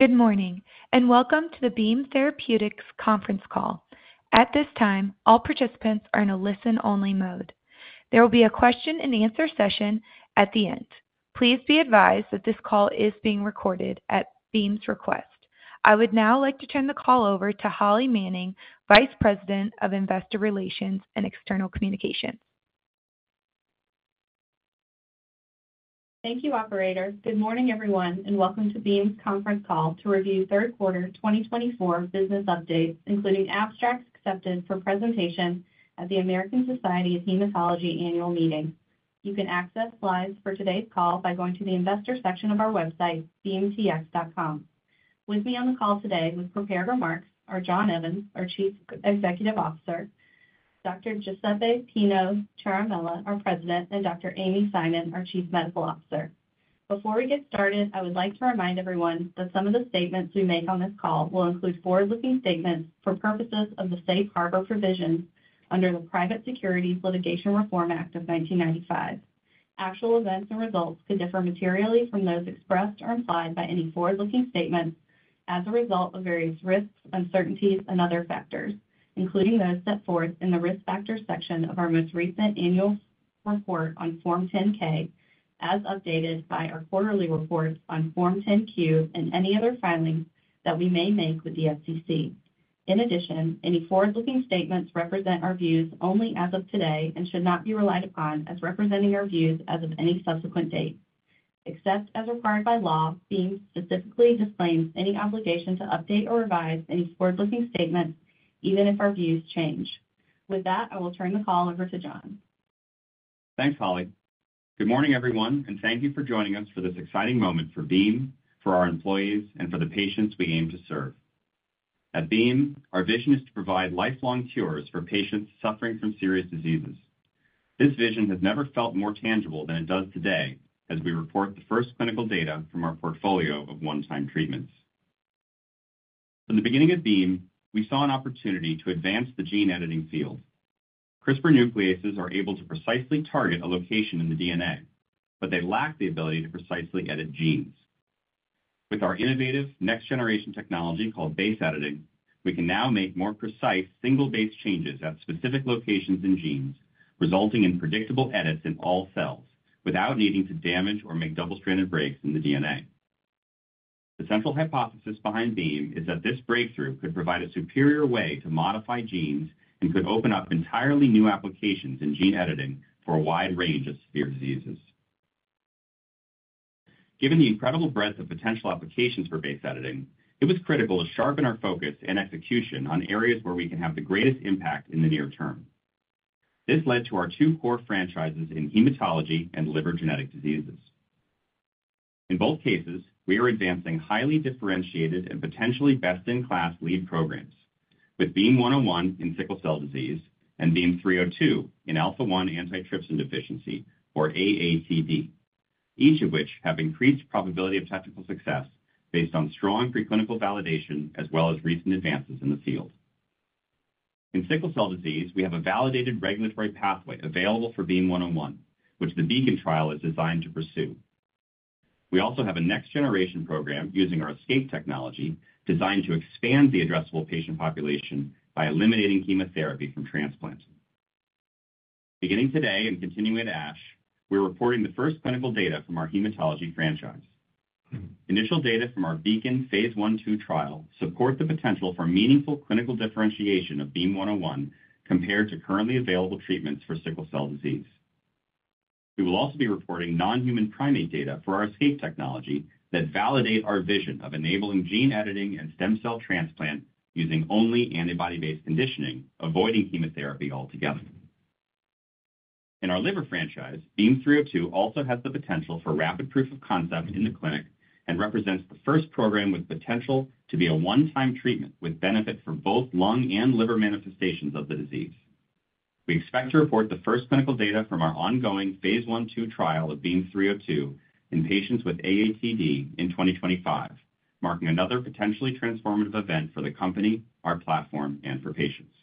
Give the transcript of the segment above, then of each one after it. Good morning and welcome to the Beam Therapeutics Conference call. At this time, all participants are in a listen-only mode. There will be a question-and-answer session at the end. Please be advised that this call is being recorded at Beam's request. I would now like to turn the call over to Holly Manning, Vice President of Investor Relations and External Communications. Thank you, Operator. Good morning, everyone, and welcome to Beam's conference call to review Q3 2024 business updates, including abstracts accepted for presentation at the American Society of Hematology annual meeting. You can access slides for today's call by going to the investor section of our website, beamtx.com. With me on the call today with prepared remarks are John Evans, our Chief Executive Officer, Dr. Giuseppe Pino Ciaramella, our President, and Dr. Amy Simon, our Chief Medical Officer. Before we get started, I would like to remind everyone that some of the statements we make on this call will include forward-looking statements for purposes of the Safe Harbor provisions under the Private Securities Litigation Reform Act of 1995. Actual events and results could differ materially from those expressed or implied by any forward-looking statements as a result of various risks, uncertainties, and other factors, including those set forth in the risk factor section of our most recent annual report on Form 10-K, as updated by our quarterly reports on Form 10-Q and any other filings that we may make with the SEC. In addition, any forward-looking statements represent our views only as of today and should not be relied upon as representing our views as of any subsequent date. Except as required by law, Beam specifically disclaims any obligation to update or revise any forward-looking statements, even if our views change. With that, I will turn the call over to John. Thanks, Holly. Good morning, everyone, and thank you for joining us for this exciting moment for Beam, for our employees, and for the patients we aim to serve. At Beam, our vision is to provide lifelong cures for patients suffering from serious diseases. This vision has never felt more tangible than it does today as we report the first clinical data from our portfolio of one-time treatments. From the beginning of Beam, we saw an opportunity to advance the gene editing field. CRISPR nucleases are able to precisely target a location in the DNA, but they lack the ability to precisely edit genes. With our innovative next-generation technology called base editing, we can now make more precise single-base changes at specific locations in genes, resulting in predictable edits in all cells without needing to damage or make double-stranded breaks in the DNA. The central hypothesis behind Beam is that this breakthrough could provide a superior way to modify genes and could open up entirely new applications in gene editing for a wide range of severe diseases. Given the incredible breadth of potential applications for base editing, it was critical to sharpen our focus and execution on areas where we can have the greatest impact in the near term. This led to our two core franchises in hematology and liver genetic diseases. In both cases, we are advancing highly differentiated and potentially best-in-class lead programs with Beam 101 in sickle cell disease and Beam 302 in alpha-1 antitrypsin deficiency, or AATD, each of which have increased probability of technical success based on strong preclinical validation as well as recent advances in the field. In sickle cell disease, we have a validated regulatory pathway available for Beam 101, which the BEACON trial is designed to pursue. We also have a next-generation program using our ESCAPE technology designed to expand the addressable patient population by eliminating chemotherapy from transplant. Beginning today and continuing at ASH, we're reporting the first clinical data from our hematology franchise. Initial data from our BEACON phase 1/2 trial support the potential for meaningful clinical differentiation of Beam 101 compared to currently available treatments for sickle cell disease. We will also be reporting non-human primate data for our ESCAPE technology that validate our vision of enabling gene editing and stem cell transplant using only antibody-based conditioning, avoiding chemotherapy altogether. In our liver franchise, Beam 302 also has the potential for rapid proof of concept in the clinic and represents the first program with potential to be a one-time treatment with benefit for both lung and liver manifestations of the disease. We expect to report the first clinical data from our ongoing phase 1/2 trial of Beam 302 in patients with AATD in 2025, marking another potentially transformative event for the company, our platform, and for patients.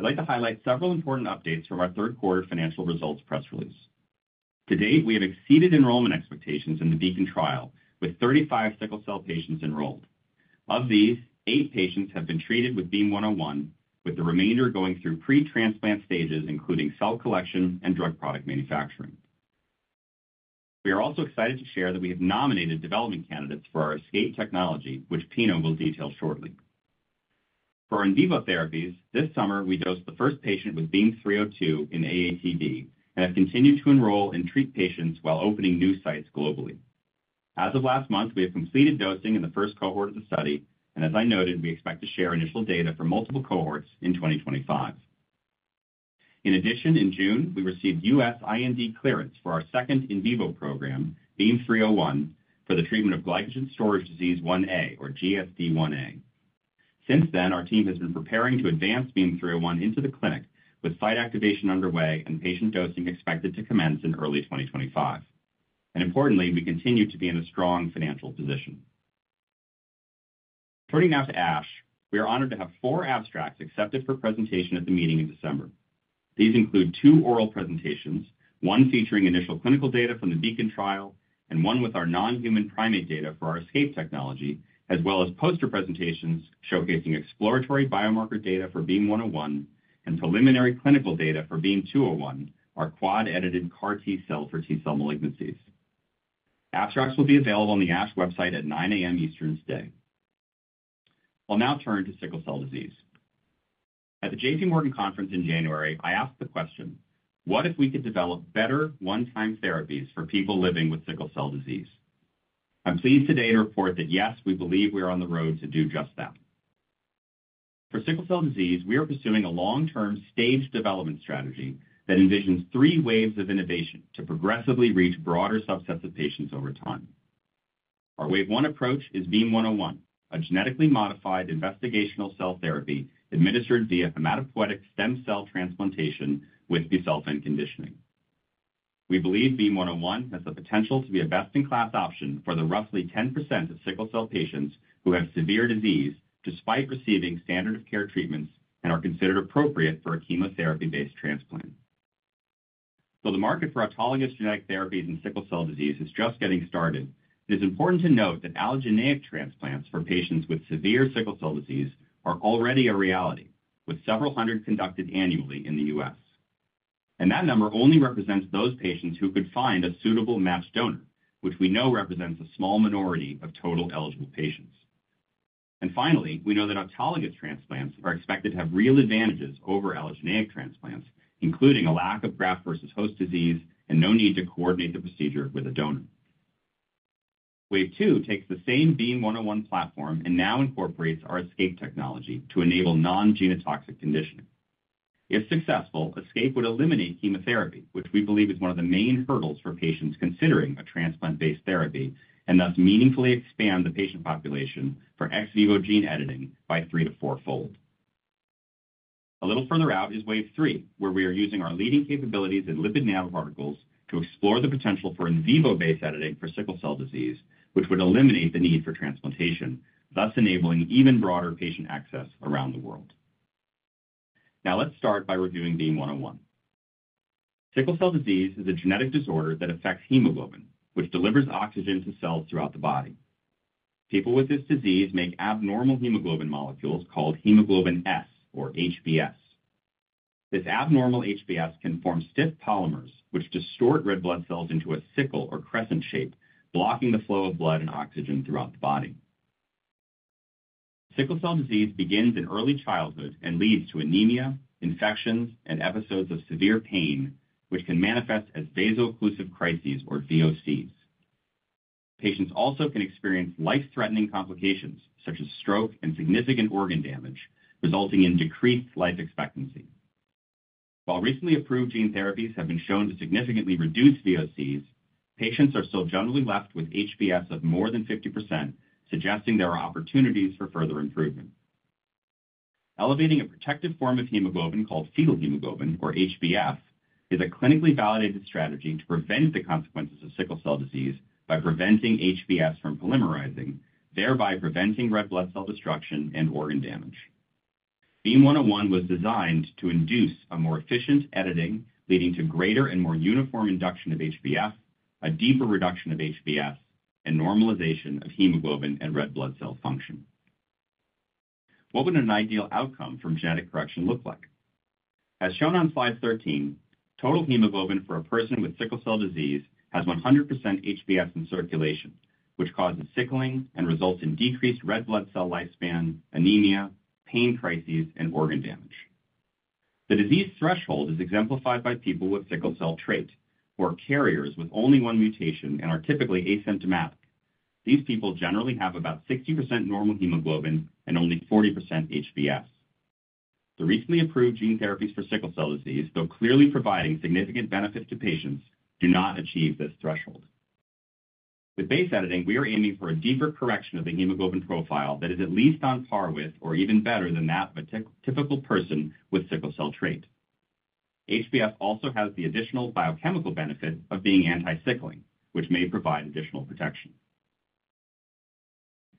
I'd like to highlight several important updates from our Q3 financial results press release. To date, we have exceeded enrollment expectations in the BEACON trial with 35 sickle cell patients enrolled. Of these, eight patients have been treated with Beam 101, with the remainder going through pre-transplant stages, including cell collection and drug product manufacturing. We are also excited to share that we have nominated development candidates for our ESCAPE technology, which Pino will detail shortly. For our in vivo therapies, this summer we dosed the first patient with Beam 302 in AATD and have continued to enroll and treat patients while opening new sites globally. As of last month, we have completed dosing in the first cohort of the study, and as I noted, we expect to share initial data for multiple cohorts in 2025. In addition, in June, we received U.S. IND clearance for our second in vivo program, Beam 301, for the treatment of glycogen storage disease 1A, or GSD 1A. Since then, our team has been preparing to advance Beam 301 into the clinic with site activation underway and patient dosing expected to commence in early 2025. And importantly, we continue to be in a strong financial position. Turning now to ASH, we are honored to have four abstracts accepted for presentation at the meeting in December. These include two oral presentations, one featuring initial clinical data from the BEACON trial and one with our non-human primate data for our ESCAPE technology, as well as poster presentations showcasing exploratory biomarker data for Beam 101 and preliminary clinical data for Beam 201, our quad-edited CAR T cell for T-cell malignancies. Abstracts will be available on the ASH website at 9:00 A.M. Eastern today. I'll now turn to sickle cell disease. At the J.P. Morgan Conference in January, I asked the question, "What if we could develop better one-time therapies for people living with sickle cell disease?" I'm pleased today to report that, yes, we believe we are on the road to do just that. For sickle cell disease, we are pursuing a long-term staged development strategy that envisions three waves of innovation to progressively reach broader subsets of patients over time. Our Wave 1 approach is Beam 101, a genetically modified investigational cell therapy administered via hematopoietic stem cell transplantation with busulfan conditioning. We believe Beam 101 has the potential to be a best-in-class option for the roughly 10% of sickle cell patients who have severe disease despite receiving standard-of-care treatments and are considered appropriate for a chemotherapy-based transplant. Though the market for autologous genetic therapies in sickle cell disease is just getting started, it is important to note that allogeneic transplants for patients with severe sickle cell disease are already a reality, with several hundred conducted annually in the U.S. That number only represents those patients who could find a suitable matched donor, which we know represents a small minority of total eligible patients. And finally, we know that autologous transplants are expected to have real advantages over allogeneic transplants, including a lack of graft versus host disease and no need to coordinate the procedure with a donor. Wave two takes the same Beam 101 platform and now incorporates our ESCAPE technology to enable non-genotoxic conditioning. If successful, ESCAPE would eliminate chemotherapy, which we believe is one of the main hurdles for patients considering a transplant-based therapy and thus meaningfully expand the patient population for ex vivo gene editing by three- to four-fold. A little further out is wave three, where we are using our leading capabilities in lipid nanoparticles to explore the potential for in vivo-based editing for sickle cell disease, which would eliminate the need for transplantation, thus enabling even broader patient access around the world. Now let's start by reviewing Beam 101. Sickle cell disease is a genetic disorder that affects hemoglobin, which delivers oxygen to cells throughout the body. People with this disease make abnormal hemoglobin molecules called hemoglobin S, or HbS. This abnormal HbS can form stiff polymers, which distort red blood cells into a sickle or crescent shape, blocking the flow of blood and oxygen throughout the body. Sickle cell disease begins in early childhood and leads to anemia, infections, and episodes of severe pain, which can manifest as vaso-occlusive crises, or VOCs. Patients also can experience life-threatening complications such as stroke and significant organ damage, resulting in decreased life expectancy. While recently approved gene therapies have been shown to significantly reduce VOCs, patients are still generally left with HbS of more than 50%, suggesting there are opportunities for further improvement. Elevating a protective form of hemoglobin called fetal hemoglobin, or HbF, is a clinically validated strategy to prevent the consequences of sickle cell disease by preventing HbS from polymerizing, thereby preventing red blood cell destruction and organ damage. Beam 101 was designed to induce a more efficient editing, leading to greater and more uniform induction of HbF, a deeper reduction of HbS, and normalization of hemoglobin and red blood cell function. What would an ideal outcome from genetic correction look like? As shown on slide 13, total hemoglobin for a person with sickle cell disease has 100% HbF in circulation, which causes sickling and results in decreased red blood cell lifespan, anemia, pain crises, and organ damage. The disease threshold is exemplified by people with sickle cell trait, who are carriers with only one mutation and are typically asymptomatic. These people generally have about 60% normal hemoglobin and only 40% HbF. The recently approved gene therapies for sickle cell disease, though clearly providing significant benefit to patients, do not achieve this threshold. With base editing, we are aiming for a deeper correction of the hemoglobin profile that is at least on par with or even better than that of a typical person with sickle cell trait. HbF also has the additional biochemical benefit of being anti-sickling, which may provide additional protection.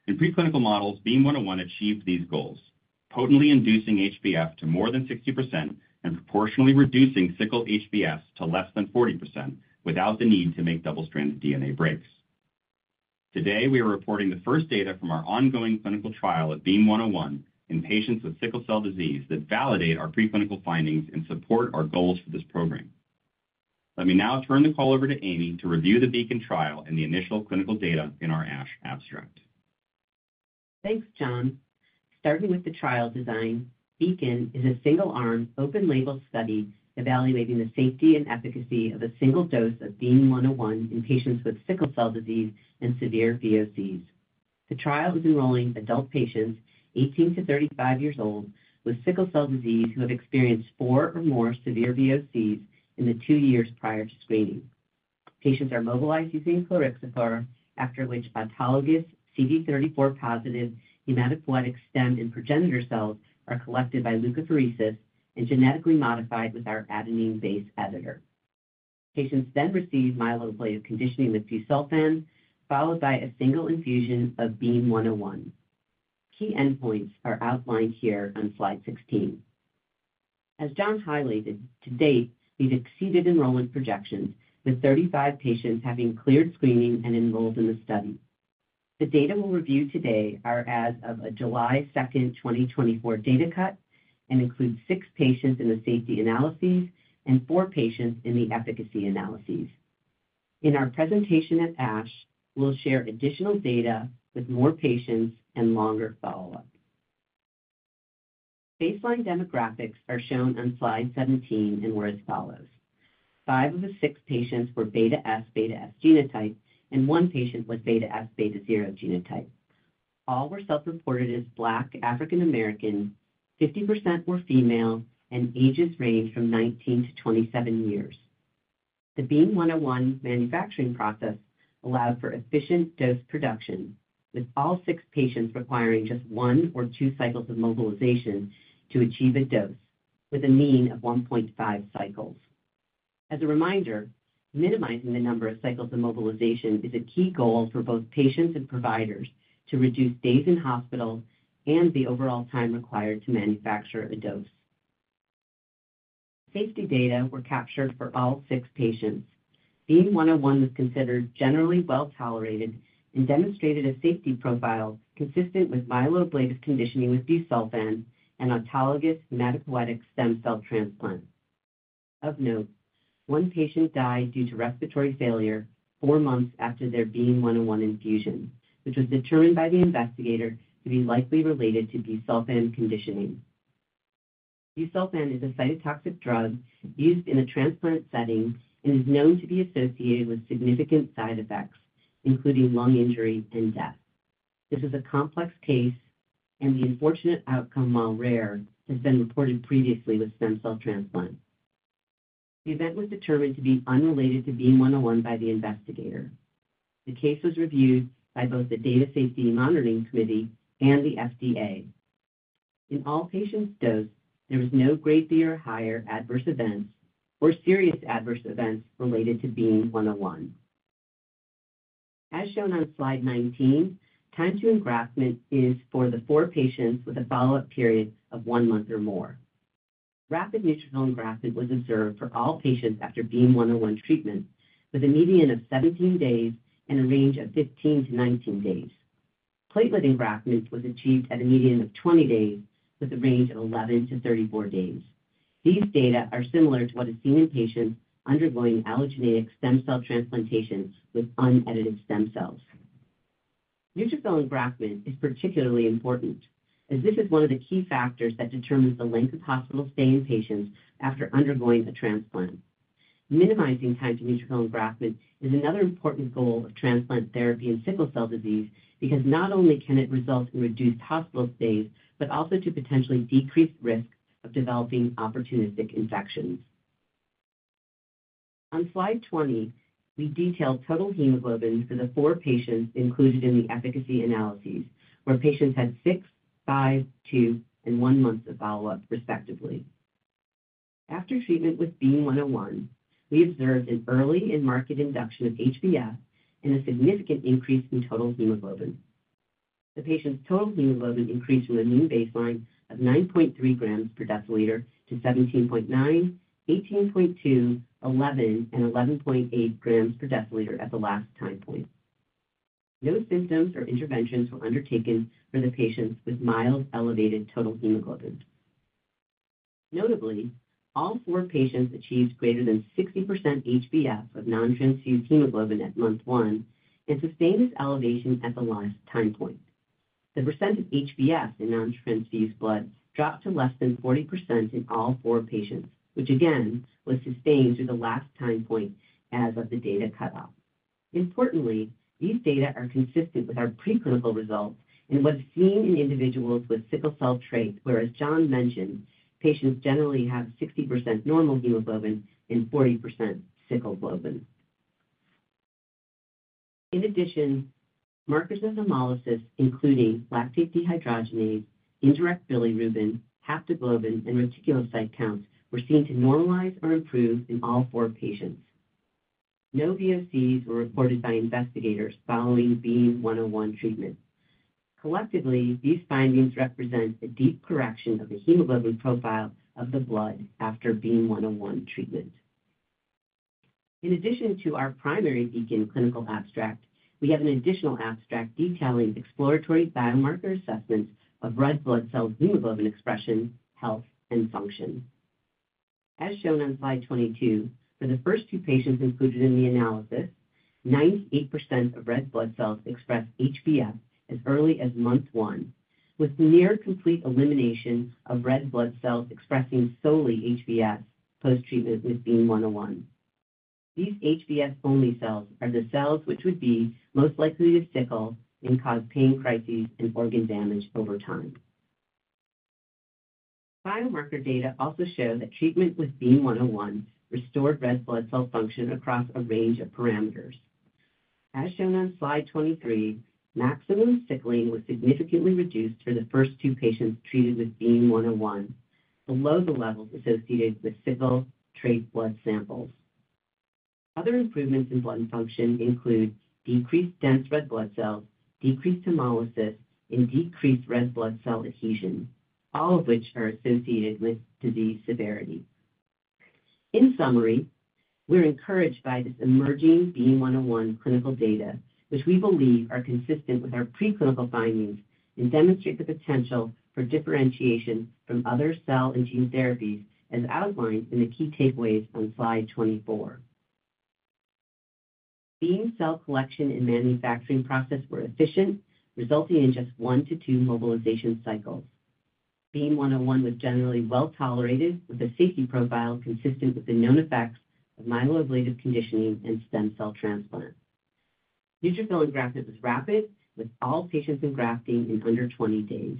In preclinical models, Beam 101 achieved these goals, potently inducing HbF to more than 60% and proportionally reducing sickle HbS to less than 40% without the need to make double-stranded DNA breaks. Today, we are reporting the first data from our ongoing clinical trial of Beam 101 in patients with sickle cell disease that validate our preclinical findings and support our goals for this program. Let me now turn the call over to Amy to review the BEACON trial and the initial clinical data in our ASH abstract. Thanks, John. Starting with the trial design, BEACON is a single-arm, open-label study evaluating the safety and efficacy of a single dose of Beam 101 in patients with sickle cell disease and severe VOCs. The trial is enrolling adult patients, 18 to 35 years old, with sickle cell disease who have experienced four or more severe VOCs in the two years prior to screening. Patients are mobilized using plerixafor, after which autologous CD34+ hematopoietic stem and progenitor cells are collected by leukapheresis and genetically modified with our adenine-based editor. Patients then receive myeloablative conditioning with busulfan, followed by a single infusion of Beam 101. Key endpoints are outlined here on slide 16. As John highlighted, to date, we've exceeded enrollment projections, with 35 patients having cleared screening and enrolled in the study. The data we'll review today are as of a July 2nd, 2024, data cut and include six patients in the safety analyses and four patients in the efficacy analyses. In our presentation at ASH, we'll share additional data with more patients and longer follow-up. Baseline demographics are shown on slide 17 and what follows. Five of the six patients were beta S, beta S genotype, and one patient was beta S, beta 0 genotype. All were self-reported as Black African American, 50% were female, and ages ranged from 19 to 27 years. The Beam 101 manufacturing process allowed for efficient dose production, with all six patients requiring just one or two cycles of mobilization to achieve a dose, with a mean of 1.5 cycles. As a reminder, minimizing the number of cycles of mobilization is a key goal for both patients and providers to reduce days in hospital and the overall time required to manufacture a dose. Safety data were captured for all six patients. Beam 101 was considered generally well tolerated and demonstrated a safety profile consistent with myeloablative conditioning with busulfan and autologous hematopoietic stem cell transplant. Of note, one patient died due to respiratory failure four months after their Beam 101 infusion, which was determined by the investigator to be likely related to busulfan conditioning. Busulfan is a cytotoxic drug used in a transplant setting and is known to be associated with significant side effects, including lung injury and death. This is a complex case, and the unfortunate outcome, while rare, has been reported previously with stem cell transplant. The event was determined to be unrelated to Beam 101 by the investigator. The case was reviewed by both the Data Safety Monitoring Committee and the FDA. In all patients dosed, there were no grade B or higher adverse events or serious adverse events related to Beam 101. As shown on slide 19, time-to-engraftment is for the four patients with a follow-up period of one month or more. Rapid neutrophil engraftment was observed for all patients after Beam 101 treatment, with a median of 17 days and a range of 15 to 19 days. Platelet engraftment was achieved at a median of 20 days, with a range of 11 to 34 days. These data are similar to what is seen in patients undergoing allogeneic stem cell transplantation with unedited stem cells. Neutrophil engraftment is particularly important, as this is one of the key factors that determines the length of hospital stay in patients after undergoing a transplant. Minimizing time to neutrophil engraftment is another important goal of transplant therapy in sickle cell disease because not only can it result in reduced hospital stays, but also to potentially decrease the risk of developing opportunistic infections. On slide 20, we detail total hemoglobin for the four patients included in the efficacy analyses, where patients had six, five, two, and one month of follow-up, respectively. After treatment with Beam 101, we observed an early and marked induction of HbF and a significant increase in total hemoglobin. The patient's total hemoglobin increased from the new baseline of 9.3 grams per deciliter to 17.9, 18.2, 11, and 11.8 grams per deciliter at the last time point. No symptoms or interventions were undertaken for the patients with mild elevated total hemoglobin. Notably, all four patients achieved greater than 60% HbF of non-transfused hemoglobin at month one and sustained this elevation at the last time point. The percent of HbF in non-transfused blood dropped to less than 40% in all four patients, which again was sustained through the last time point as of the data cutoff. Importantly, these data are consistent with our preclinical results and what is seen in individuals with sickle cell trait, whereas John mentioned patients generally have 60% normal hemoglobin and 40% sickle hemoglobin. In addition, markers of hemolysis, including lactate dehydrogenase, indirect bilirubin, haptoglobin, and reticulocyte counts were seen to normalize or improve in all four patients. No VOCs were reported by investigators following Beam 101 treatment. Collectively, these findings represent a deep correction of the hemoglobin profile of the blood after Beam 101 treatment. In addition to our primary BEACON clinical abstract, we have an additional abstract detailing exploratory biomarker assessments of red blood cell hemoglobin expression, health, and function. As shown on slide 22, for the first two patients included in the analysis, 98% of red blood cells expressed HbF as early as month one, with near complete elimination of red blood cells expressing solely HbF post-treatment with Beam 101. These HbF-only cells are the cells which would be most likely to sickle and cause pain crises and organ damage over time. Biomarker data also show that treatment with Beam 101 restored red blood cell function across a range of parameters. As shown on slide 23, maximum sickling was significantly reduced for the first two patients treated with Beam 101, below the levels associated with sickle trait blood samples. Other improvements in blood function include decreased dense red blood cells, decreased hemolysis, and decreased red blood cell adhesion, all of which are associated with disease severity. In summary, we're encouraged by this emerging Beam 101 clinical data, which we believe are consistent with our preclinical findings and demonstrate the potential for differentiation from other cell and gene therapies, as outlined in the key takeaways on slide 24. Beam cell collection and manufacturing process were efficient, resulting in just one to two mobilization cycles. Beam 101 was generally well tolerated, with a safety profile consistent with the known effects of myeloablative conditioning and stem cell transplant. Neutrophil engraftment was rapid, with all patients engrafting in under 20 days.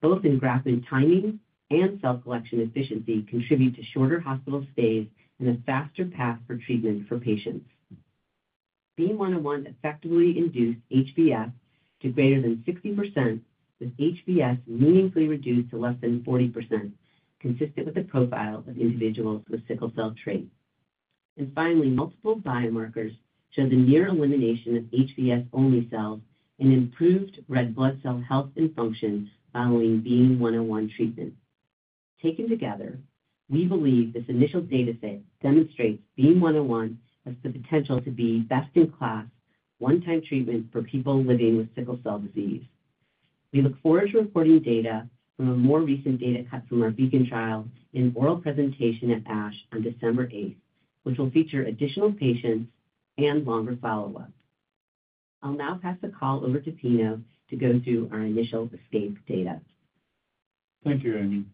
Both engraftment timing and cell collection efficiency contribute to shorter hospital stays and a faster path for treatment for patients. Beam 101 effectively induced HbF to greater than 60%, with HbS meaningfully reduced to less than 40%, consistent with the profile of individuals with sickle cell trait. And finally, multiple biomarkers show the near elimination of HbS-only cells and improved red blood cell health and function following Beam 101 treatment. Taken together, we believe this initial dataset demonstrates Beam 101 as the potential to be best-in-class, one-time treatment for people living with sickle cell disease. We look forward to reporting data from a more recent data cut from our BEACON trial in oral presentation at ASH on December 8th, which will feature additional patients and longer follow-up. I'll now pass the call over to Pino to go through our initial ESCAPE data. Thank you, Amy.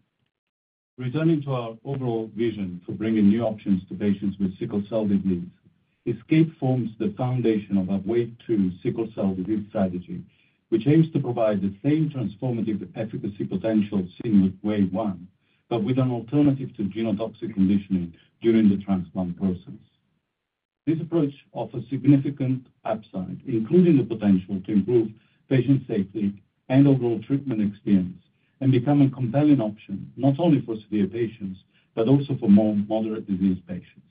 Returning to our overall vision for bringing new options to patients with sickle cell disease, ESCAPE forms the foundation of our wave two sickle cell disease strategy, which aims to provide the same transformative efficacy potential seen with Wave 1, but with an alternative to genotoxic conditioning during the transplant process. This approach offers significant upside, including the potential to improve patient safety and overall treatment experience and become a compelling option not only for severe patients, but also for more moderate disease patients.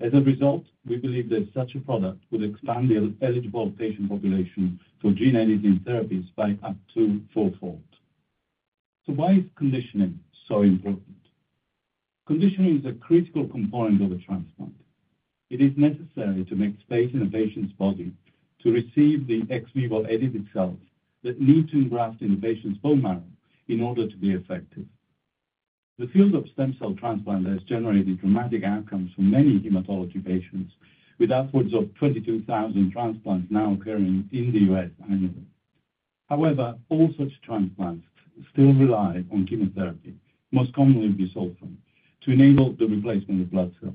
As a result, we believe that such a product would expand the eligible patient population for gene editing therapies by up to fourfold. So why is conditioning so important? Conditioning is a critical component of a transplant. It is necessary to make space in a patient's body to receive the ex vivo edited cells that need to engraft in the patient's bone marrow in order to be effective. The field of stem cell transplant has generated dramatic outcomes for many hematology patients, with upwards of 22,000 transplants now occurring in the U.S. annually. However, all such transplants still rely on chemotherapy, most commonly busulfan, to enable the replacement of blood cells.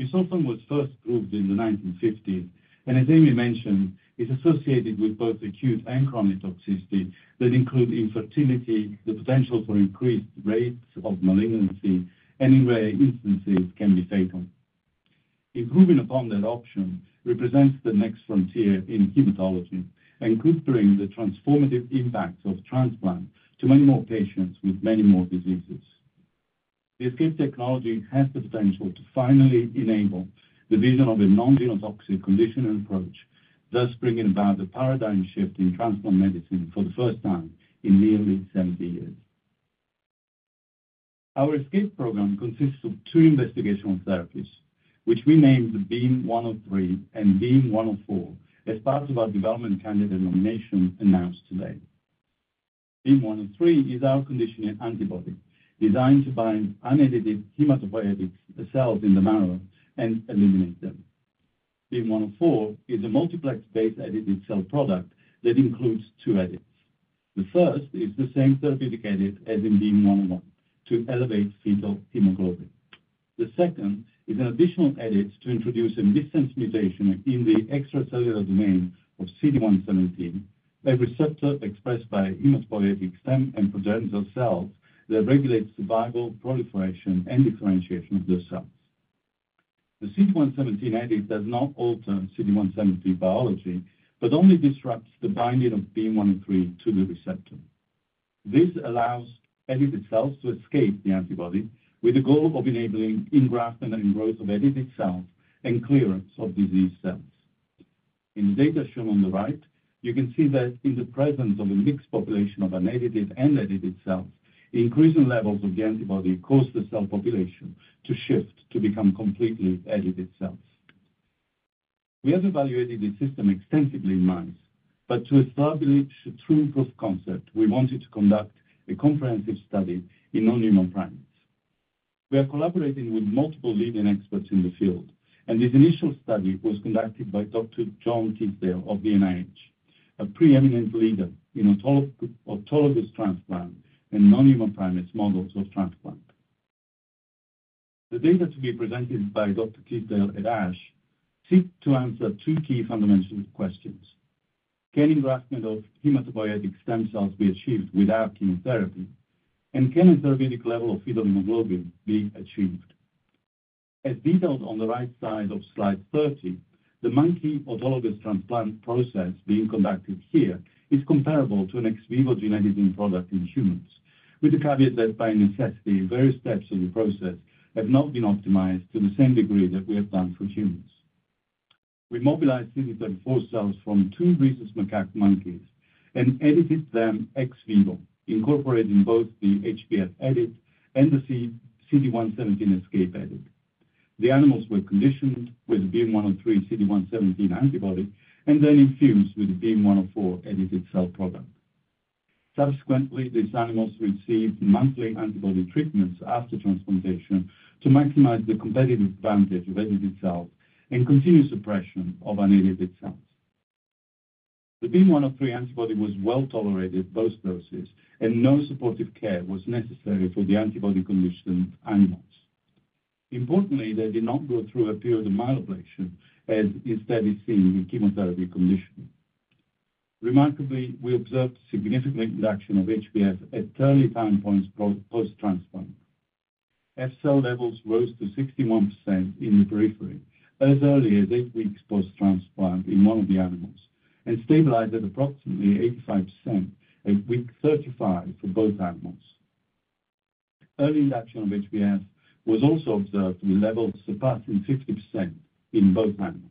Busulfan was first approved in the 1950s, and as Amy mentioned, is associated with both acute and chronic toxicity that include infertility, the potential for increased rates of malignancy, and in rare instances, can be fatal. Improving upon that option represents the next frontier in hematology and could bring the transformative impact of transplant to many more patients with many more diseases. The ESCAPE technology has the potential to finally enable the vision of a non-genotoxic conditioning approach, thus bringing about a paradigm shift in transplant medicine for the first time in nearly 70 years. Our ESCAPE program consists of two investigational therapies, which we named Beam 103 and Beam 104 as part of our development candidate nomination announced today. Beam 103 is our conditioning antibody designed to bind unedited hematopoietic cells in the marrow and eliminate them. Beam 104 is a multiplex-based edited cell product that includes two edits. The first is the same therapeutic edit as in Beam 101 to elevate fetal hemoglobin. The second is an additional edit to introduce a missense mutation in the extracellular domain of CD117, a receptor expressed by hematopoietic stem and progenitor cells that regulates survival, proliferation, and differentiation of those cells. The CD117 edit does not alter CD117 biology, but only disrupts the binding of Beam 103 to the receptor. This allows edited cells to escape the antibody with the goal of enabling engraftment and growth of edited cells and clearance of disease cells. In the data shown on the right, you can see that in the presence of a mixed population of unedited and edited cells, increasing levels of the antibody cause the cell population to shift to become completely edited cells. We have evaluated the system extensively in mice, but to establish a true proof of concept, we wanted to conduct a comprehensive study in non-human primates. We are collaborating with multiple leading experts in the field, and this initial study was conducted by Dr. John Tisdale of the NIH, a preeminent leader in autologous transplant and non-human primate models of transplant. The data to be presented by Dr. Tisdale at ASH seek to answer two key fundamental questions. Can engraftment of hematopoietic stem cells be achieved without chemotherapy, and can a therapeutic level of fetal hemoglobin be achieved? As detailed on the right side of slide 30, the monkey autologous transplant process being conducted here is comparable to an ex vivo gene editing product in humans, with the caveat that by necessity, various steps of the process have not been optimized to the same degree that we have done for humans. We mobilized CD34 cells from two rhesus macaque monkeys and edited them ex vivo, incorporating both the HbF edit and the CD117 ESCAPE edit. The animals were conditioned with Beam 103 CD117 antibody and then infused with the Beam 104 edited cell product. Subsequently, these animals received monthly antibody treatments after transplantation to maximize the competitive advantage of edited cells and continue suppression of unedited cells. The Beam 103 antibody was well tolerated at both doses, and no supportive care was necessary for the antibody-conditioned animals. Importantly, they did not go through a period of myeloablation, as instead is seen in chemotherapy conditioning. Remarkably, we observed significant induction of HbF at early time points post-transplant. F cell levels rose to 61% in the periphery as early as eight weeks post-transplant in one of the animals and stabilized at approximately 85% at week 35 for both animals. Early induction of HbF was also observed with levels surpassing 50% in both animals.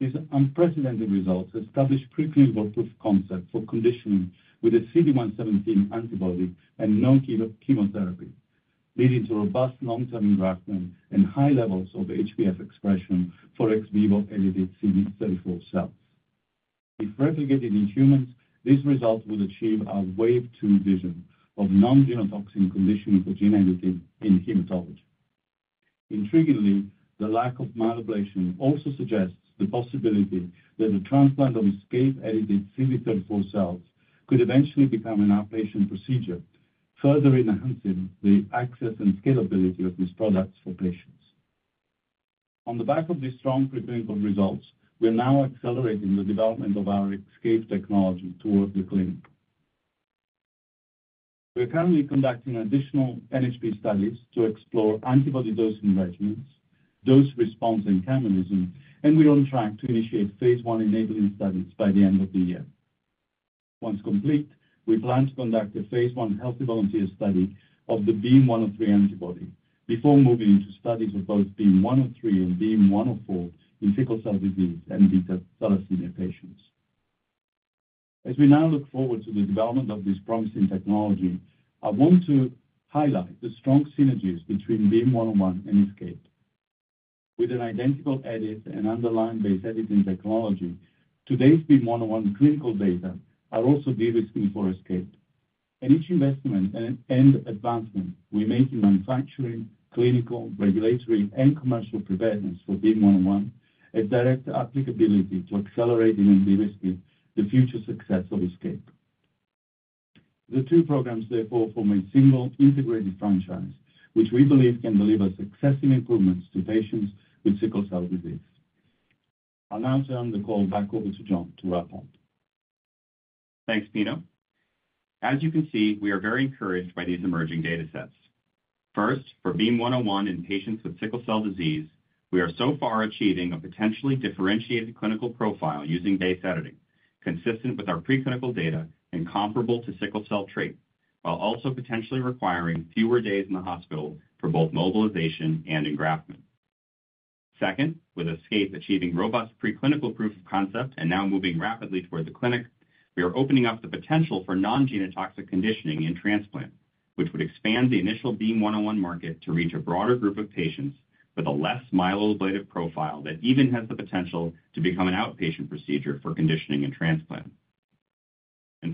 These unprecedented results established a preclinical proof of concept for conditioning with a CD117 antibody and no chemotherapy, leading to robust long-term engraftment and high levels of HbF expression for ex vivo edited CD34 cells. If replicated in humans, this result would achieve our wave two vision of non-genotoxic conditioning for gene editing in hematology. Intriguingly, the lack of myeloablation also suggests the possibility that the transplant of ESCAPE edited CD34 cells could eventually become an outpatient procedure, further enhancing the access and scalability of these products for patients. On the back of these strong preclinical results, we're now accelerating the development of our ESCAPE technology toward the clinic. We're currently conducting additional NHP studies to explore antibody dosing regimens, dose response, and mechanism, and we're on track to initiate Phase 1 enabling studies by the end of the year. Once complete, we plan to conduct a Phase 1 healthy volunteer study of the Beam 103 antibody before moving into studies of both Beam 103 and Beam 104 in sickle cell disease and beta-thalassemia patients. As we now look forward to the development of this promising technology, I want to highlight the strong synergies between Beam 101 and ESCAPE. With an identical edit and underlying base editing technology, today's Beam 101 clinical data are also de-risking for ESCAPE, and each investment and advancement we make in manufacturing, clinical, regulatory, and commercial preparedness for Beam 101 has direct applicability to accelerating and de-risking the future success of ESCAPE. The two programs, therefore, form a single integrated franchise, which we believe can deliver successive improvements to patients with sickle cell disease. I'll now turn the call back over to John to wrap up. Thanks, Pino. As you can see, we are very encouraged by these emerging datasets. First, for Beam 101 in patients with sickle cell disease, we are so far achieving a potentially differentiated clinical profile using base editing, consistent with our preclinical data and comparable to sickle cell trait, while also potentially requiring fewer days in the hospital for both mobilization and engraftment. Second, with ESCAPE achieving robust preclinical proof of concept and now moving rapidly toward the clinic, we are opening up the potential for non-genotoxic conditioning in transplant, which would expand the initial Beam 101 market to reach a broader group of patients with a less myeloablative profile that even has the potential to become an outpatient procedure for conditioning and transplant.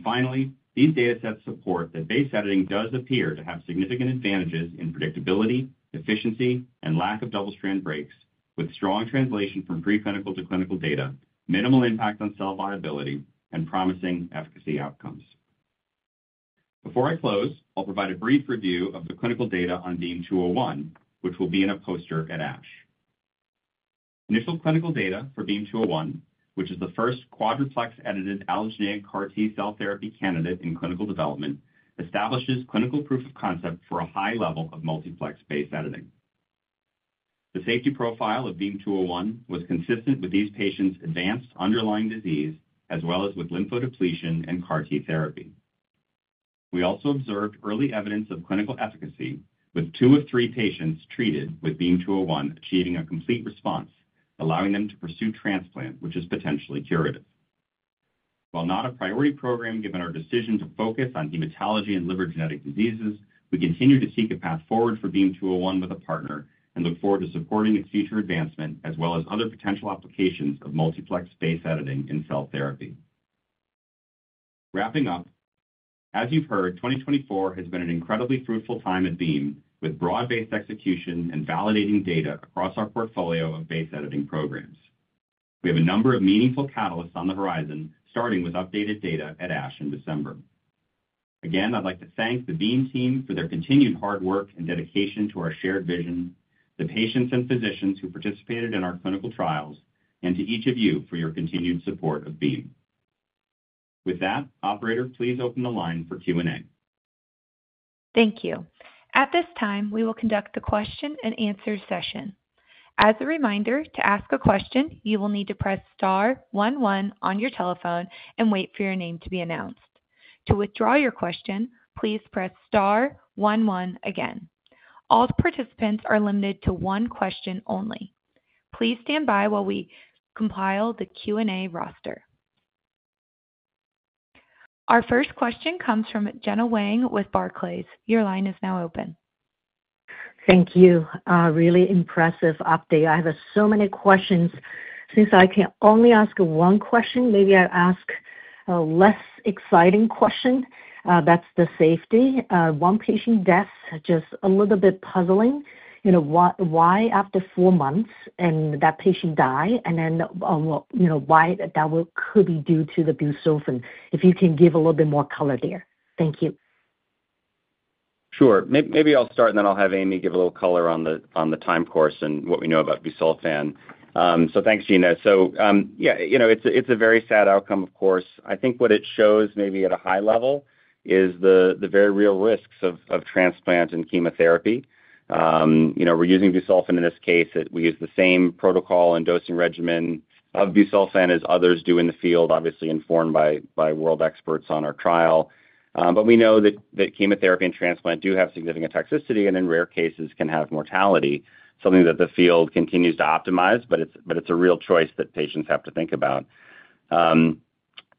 Finally, these datasets support that base editing does appear to have significant advantages in predictability, efficiency, and lack of double-strand breaks, with strong translation from preclinical to clinical data, minimal impact on cell viability, and promising efficacy outcomes. Before I close, I'll provide a brief review of the clinical data on Beam 201, which will be in a poster at ASH. Initial clinical data for Beam 201, which is the first quadriplex-edited allogeneic CAR-T cell therapy candidate in clinical development, establishes clinical proof of concept for a high level of multiplex base editing. The safety profile of Beam 201 was consistent with these patients' advanced underlying disease, as well as with lymphodepletion and CAR-T therapy. We also observed early evidence of clinical efficacy, with two of three patients treated with Beam 201 achieving a complete response, allowing them to pursue transplant, which is potentially curative. While not a priority program given our decision to focus on hematology and liver genetic diseases, we continue to seek a path forward for Beam 201 with a partner and look forward to supporting its future advancement, as well as other potential applications of multiplex base editing in cell therapy. Wrapping up, as you've heard, 2024 has been an incredibly fruitful time at Beam, with broad-based execution and validating data across our portfolio of base editing programs. We have a number of meaningful catalysts on the horizon, starting with updated data at ASH in December. Again, I'd like to thank the Beam team for their continued hard work and dedication to our shared vision, the patients and physicians who participated in our clinical trials, and to each of you for your continued support of Beam. With that, Operator, please open the line for Q&A. Thank you. At this time, we will conduct the question-and-answer session. As a reminder, to ask a question, you will need to press star 11 on your telephone and wait for your name to be announced. To withdraw your question, please press star 11 again. All participants are limited to one question only. Please stand by while we compile the Q&A roster. Our first question comes from Gena Wang with Barclays. Your line is now open. Thank you. Really impressive update. I have so many questions. Since I can only ask one question, maybe I'll ask a less exciting question. That's the safety. One patient death, just a little bit puzzling. Why after four months and that patient die? And then why that could be due to the busulfan? If you can give a little bit more color there. Thank you. Sure. Maybe I'll start, and then I'll have Amy give a little color on the time course and what we know about busulfan. So thanks, Gena. So yeah, it's a very sad outcome, of course. I think what it shows, maybe at a high level, is the very real risks of transplant and chemotherapy. We're using busulfan in this case. We use the same protocol and dosing regimen of busulfan as others do in the field, obviously informed by world experts on our trial. But we know that chemotherapy and transplant do have significant toxicity and, in rare cases, can have mortality, something that the field continues to optimize, but it's a real choice that patients have to think about.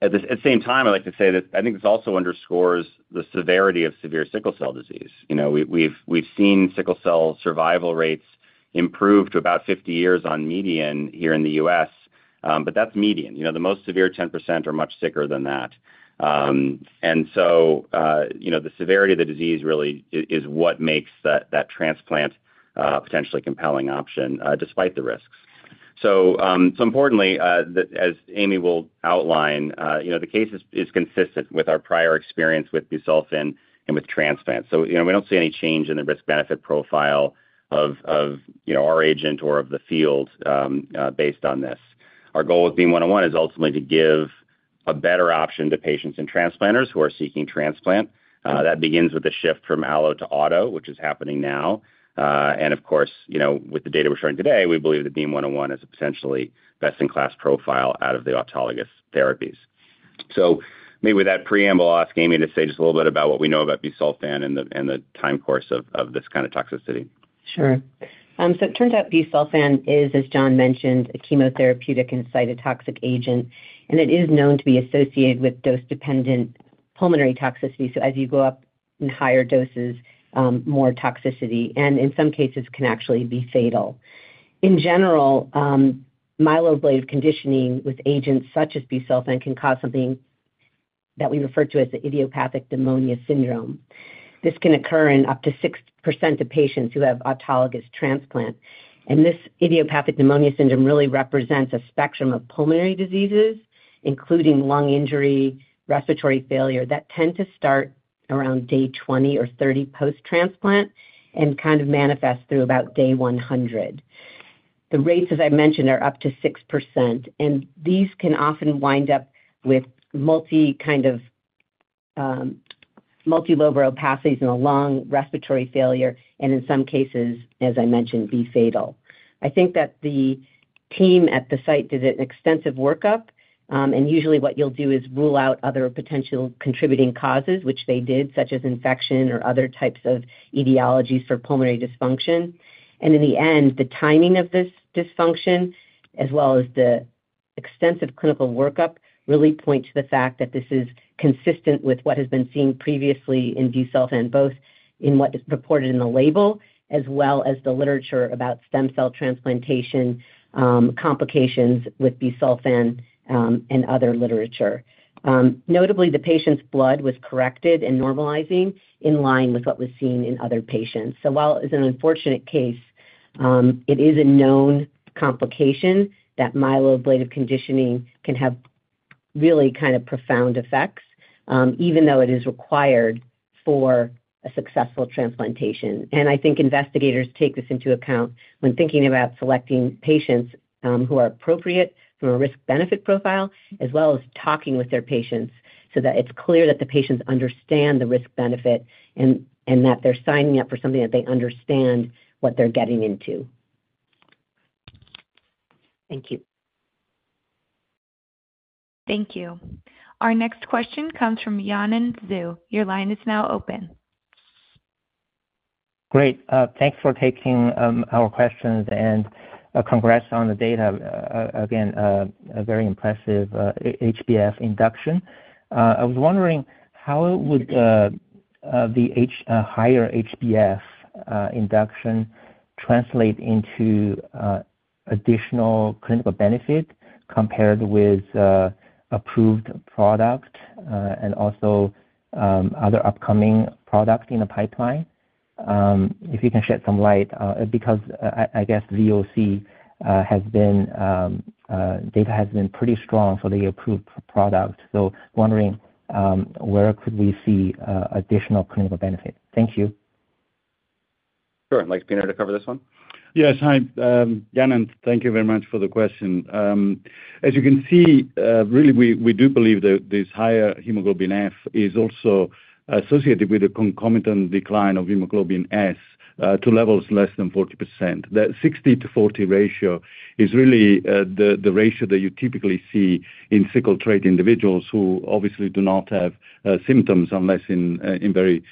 At the same time, I'd like to say that I think this also underscores the severity of severe sickle cell disease. We've seen sickle cell survival rates improve to about 50 years on median here in the U.S., but that's median. The most severe 10% are much sicker than that. And so the severity of the disease really is what makes that transplant a potentially compelling option, despite the risks. So importantly, as Amy will outline, the case is consistent with our prior experience with busulfan and with transplant. So we don't see any change in the risk-benefit profile of our agent or of the field based on this. Our goal with Beam 101 is ultimately to give a better option to patients and transplanters who are seeking transplant. That begins with the shift from allo-to-auto, which is happening now. And of course, with the data we're showing today, we believe that Beam 101 is a potentially best-in-class profile out of the autologous therapies. So maybe with that preamble, I'll ask Amy to say just a little bit about what we know about busulfan and the time course of this kind of toxicity. Sure. So it turns out busulfan is, as John mentioned, a chemotherapeutic and cytotoxic agent, and it is known to be associated with dose-dependent pulmonary toxicity. So as you go up in higher doses, more toxicity, and in some cases, can actually be fatal. In general, myeloablative conditioning with agents such as busulfan can cause something that we refer to as the idiopathic pneumonia syndrome. This can occur in up to 6% of patients who have autologous transplant. And this idiopathic pneumonia syndrome really represents a spectrum of pulmonary diseases, including lung injury, respiratory failure, that tend to start around day 20 or 30 post-transplant and kind of manifest through about day 100. The rates, as I mentioned, are up to 6%, and these can often wind up with multiple lobar opacities in the lung, respiratory failure, and in some cases, as I mentioned, be fatal. I think that the team at the site did an extensive workup, and usually what you'll do is rule out other potential contributing causes, which they did, such as infection or other types of etiologies for pulmonary dysfunction, and in the end, the timing of this dysfunction, as well as the extensive clinical workup, really points to the fact that this is consistent with what has been seen previously in busulfan, both in what is reported in the label as well as the literature about stem cell transplantation complications with busulfan and other literature. Notably, the patient's blood was corrected and normalizing in line with what was seen in other patients, so while it is an unfortunate case, it is a known complication that myeloablative conditioning can have really kind of profound effects, even though it is required for a successful transplantation. I think investigators take this into account when thinking about selecting patients who are appropriate from a risk-benefit profile, as well as talking with their patients so that it's clear that the patients understand the risk-benefit and that they're signing up for something that they understand what they're getting into. Thank you. Thank you. Our next question comes from Yanan Zhu. Your line is now open. Great. Thanks for taking our questions and congrats on the data. Again, a very impressive HbF induction. I was wondering how would the higher HbF induction translate into additional clinical benefit compared with approved product and also other upcoming products in the pipeline? If you can shed some light, because I guess VOC data has been pretty strong for the approved product. So wondering where could we see additional clinical benefit? Thank you. Sure, and Pino's been here to cover this one. Yes. Hi, Yan, and thank you very much for the question. As you can see, really, we do believe that this higher hemoglobin F is also associated with a concomitant decline of hemoglobin S to levels less than 40%. That 60 to 40 ratio is really the ratio that you typically see in sickle trait individuals who obviously do not have symptoms unless in very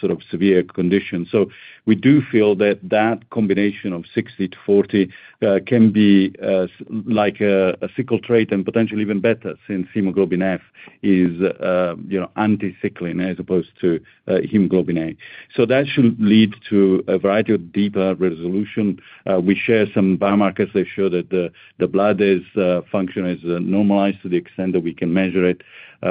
sort of severe conditions. So we do feel that that combination of 60 to 40 can be like a sickle trait and potentially even better since hemoglobin F is anti-sickling as opposed to hemoglobin A. So that should lead to a variety of deeper resolution. We share some biomarkers. They show that the blood function is normalized to the extent that we can measure it.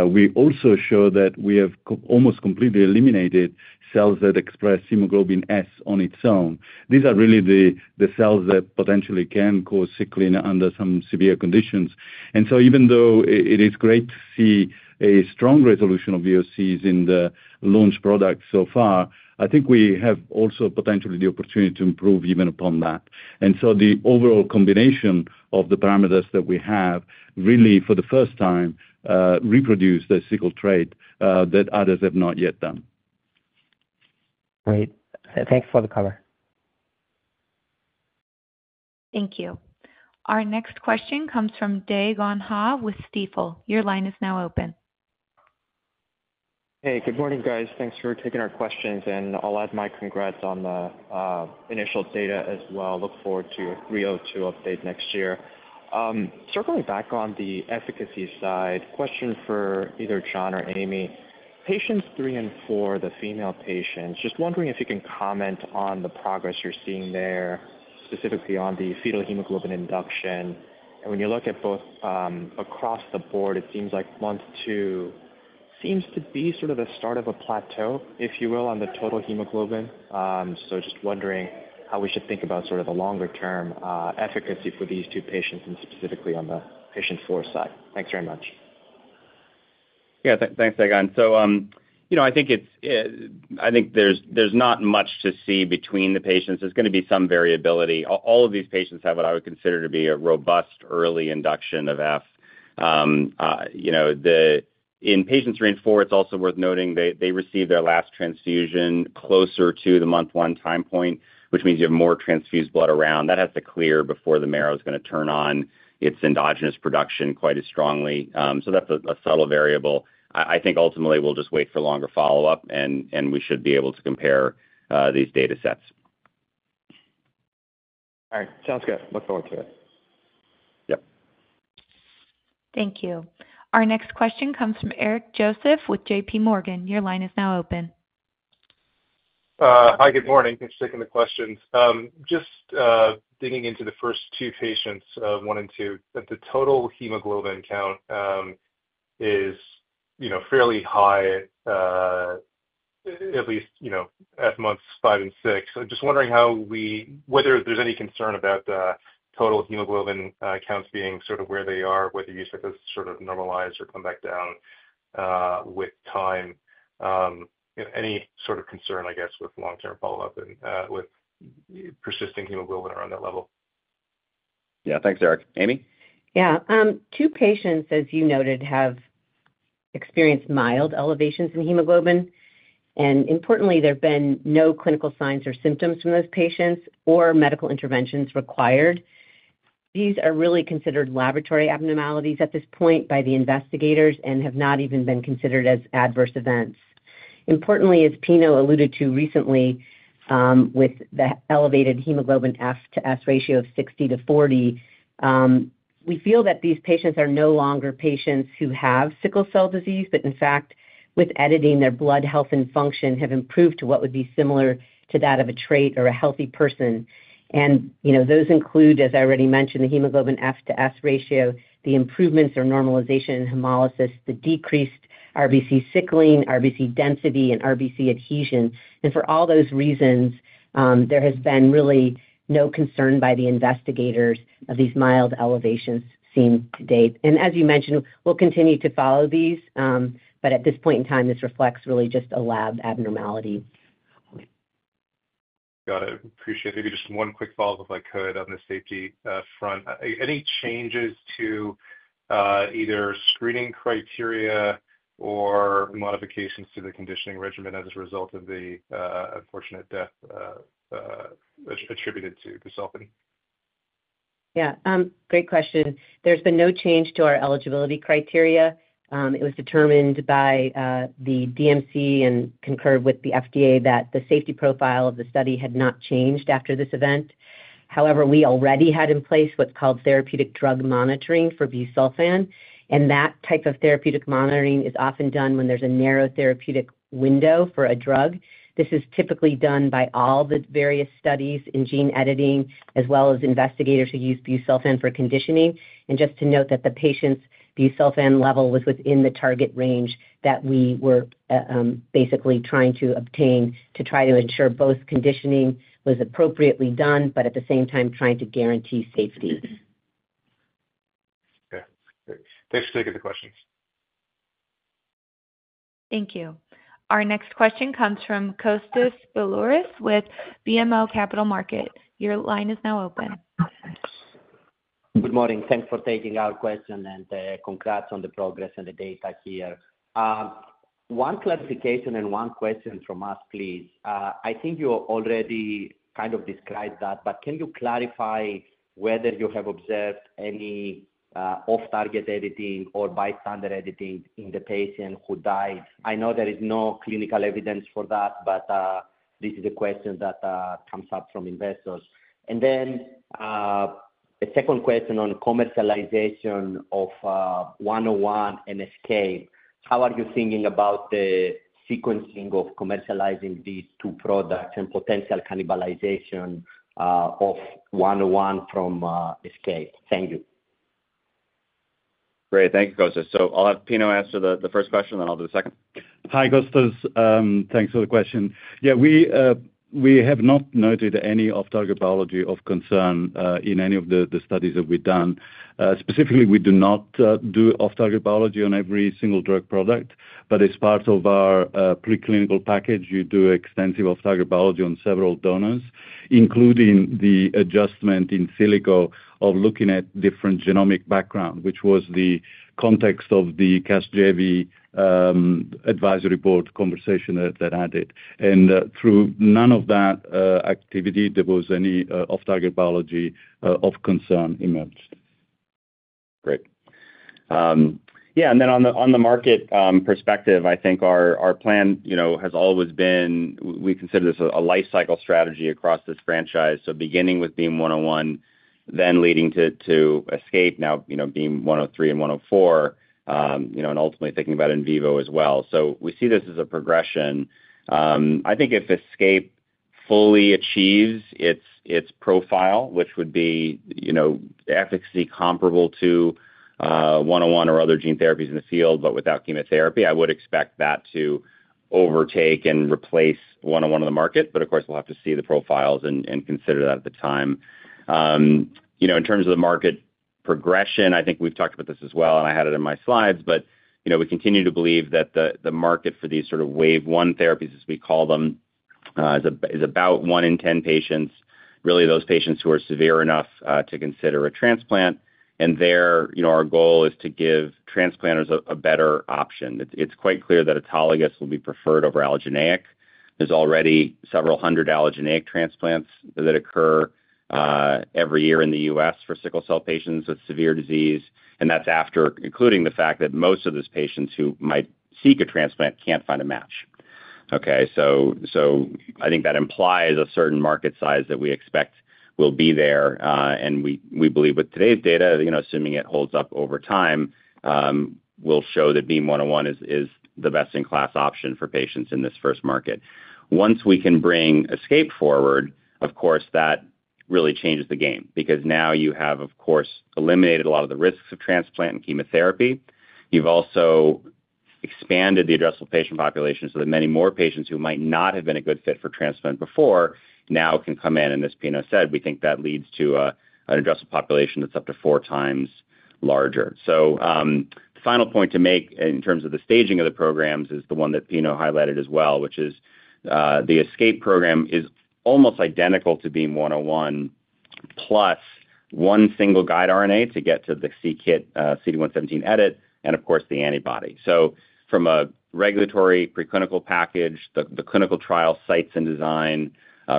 We also show that we have almost completely eliminated cells that express hemoglobin S on its own. These are really the cells that potentially can cause sickling under some severe conditions, and so even though it is great to see a strong resolution of VOCs in the launch product so far, I think we have also potentially the opportunity to improve even upon that, and so the overall combination of the parameters that we have really, for the first time, reproduced a sickle trait that others have not yet done. Great. Thanks for the cover. Thank you. Our next question comes from Dae Gon Ha with Stifel. Your line is now open. Hey, good morning, guys. Thanks for taking our questions. And I'll add my congrats on the initial data as well. Look forward to a 302 update next year. Circling back on the efficacy side, question for either John or Amy. Patients three and four, the female patients, just wondering if you can comment on the progress you're seeing there, specifically on the fetal hemoglobin induction. And when you look at both across the board, it seems like month two seems to be sort of the start of a plateau, if you will, on the total hemoglobin. So just wondering how we should think about sort of the longer-term efficacy for these two patients and specifically on the patient four side. Thanks very much. Yeah, thanks, Dae Gon Ha. So I think there's not much to see between the patients. There's going to be some variability. All of these patients have what I would consider to be a robust early induction of F. In patients three and four, it's also worth noting they received their last transfusion closer to the month one time point, which means you have more transfused blood around. That has to clear before the marrow is going to turn on its endogenous production quite as strongly. So that's a subtle variable. I think ultimately we'll just wait for longer follow-up, and we should be able to compare these data sets. All right. Sounds good. Look forward to it. Yep. Thank you. Our next question comes from Eric Joseph with JPMorgan. Your line is now open. Hi, good morning. Thanks for taking the questions. Just digging into the first two patients, one and two, the total hemoglobin count is fairly high, at least at months five and six. I'm just wondering whether there's any concern about total hemoglobin counts being sort of where they are, whether you should just sort of normalize or come back down with time. Any sort of concern, I guess, with long-term follow-up and with persisting hemoglobin around that level? Yeah. Thanks, Eric. Amy? Yeah. Two patients, as you noted, have experienced mild elevations in hemoglobin, and importantly, there have been no clinical signs or symptoms from those patients or medical interventions required. These are really considered laboratory abnormalities at this point by the investigators and have not even been considered as adverse events. Importantly, as Pino alluded to recently with the elevated hemoglobin F to S ratio of 60 to 40, we feel that these patients are no longer patients who have sickle cell disease, but in fact, with editing, their blood health and function have improved to what would be similar to that of a trait or a healthy person. Those include, as I already mentioned, the hemoglobin F to S ratio, the improvements or normalization in hemolysis, the decreased RBC sickling, RBC density, and RBC adhesion. For all those reasons, there has been really no concern by the investigators of these mild elevations seen to date. As you mentioned, we'll continue to follow these, but at this point in time, this reflects really just a lab abnormality. Got it. Appreciate it. Maybe just one quick follow-up, if I could, on the safety front. Any changes to either screening criteria or modifications to the conditioning regimen as a result of the unfortunate death attributed to busulfan? Yeah. Great question. There's been no change to our eligibility criteria. It was determined by the DMC and concurred with the FDA that the safety profile of the study had not changed after this event. However, we already had in place what's called therapeutic drug monitoring for busulfan. And that type of therapeutic monitoring is often done when there's a narrow therapeutic window for a drug. This is typically done by all the various studies in gene editing as well as investigators who use busulfan for conditioning. And just to note that the patient's busulfan level was within the target range that we were basically trying to obtain to try to ensure both conditioning was appropriately done, but at the same time, trying to guarantee safety. Okay. Great. Thanks for taking the questions. Thank you. Our next question comes from Kostas Biliouris with BMO Capital Markets. Your line is now open. Good morning. Thanks for taking our question and congrats on the progress and the data here. One clarification and one question from us, please. I think you already kind of described that, but can you clarify whether you have observed any off-target editing or bystander editing in the patient who died? I know there is no clinical evidence for that, but this is a question that comes up from investors. And then a second question on commercialization of 101 and Escape. How are you thinking about the sequencing of commercializing these two products and potential cannibalization of 101 from Escape? Thank you. Great. Thank you, Kostas. So I'll have Pino ask the first question, then I'll do the second. Hi, Kostas. Thanks for the question. Yeah, we have not noted any off-target biology of concern in any of the studies that we've done. Specifically, we do not do off-target biology on every single drug product, but as part of our preclinical package, you do extensive off-target biology on several donors, including the assessment in silico of looking at different genomic background, which was the context of the Casgevy advisory board conversation that I did. And through none of that activity, there was any off-target biology of concern emerged. Great. Yeah. And then on the market perspective, I think our plan has always been we consider this a lifecycle strategy across this franchise. So beginning with Beam 101, then leading to ESCAPE, now Beam 103 and 104, and ultimately thinking about in vivo as well. So we see this as a progression. I think if ESCAPE fully achieves its profile, which would be efficacy comparable to 101 or other gene therapies in the field but without chemotherapy, I would expect that to overtake and replace 101 on the market. But of course, we'll have to see the profiles and consider that at the time. In terms of the market progression, I think we've talked about this as well, and I had it in my slides, but we continue to believe that the market for these sort of Wave 1 therapies, as we call them, is about one in 10 patients, really those patients who are severe enough to consider a transplant. And our goal is to give transplanters a better option. It's quite clear that autologous will be preferred over allogeneic. There's already several hundred allogeneic transplants that occur every year in the U.S. for sickle cell patients with severe disease. And that's after including the fact that most of those patients who might seek a transplant can't find a match. Okay? So I think that implies a certain market size that we expect will be there. We believe with today's data, assuming it holds up over time, will show that Beam 101 is the best-in-class option for patients in this first market. Once we can bring ESCAPE forward, of course, that really changes the game because now you have, of course, eliminated a lot of the risks of transplant and chemotherapy. You've also expanded the addressable patient population so that many more patients who might not have been a good fit for transplant before now can come in. And as Pino said, we think that leads to an addressable population that's up to four times larger. So the final point to make in terms of the staging of the programs is the one that Pino highlighted as well, which is the ESCAPE program is almost identical to Beam 101 plus one single guide RNA to get to the c-Kit CD117 edit and, of course, the antibody. So from a regulatory preclinical package, the clinical trial sites and design,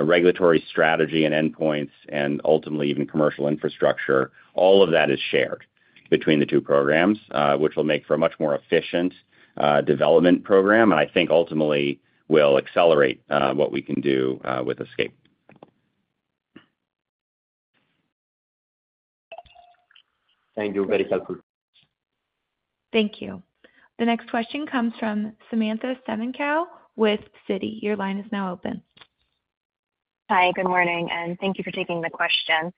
regulatory strategy and endpoints, and ultimately even commercial infrastructure, all of that is shared between the two programs, which will make for a much more efficient development program and I think ultimately will accelerate what we can do with ESCAPE. Thank you. Very helpful. Thank you. The next question comes from Samantha Semenkow with Citi. Your line is now open. Hi, good morning. And thank you for taking the question.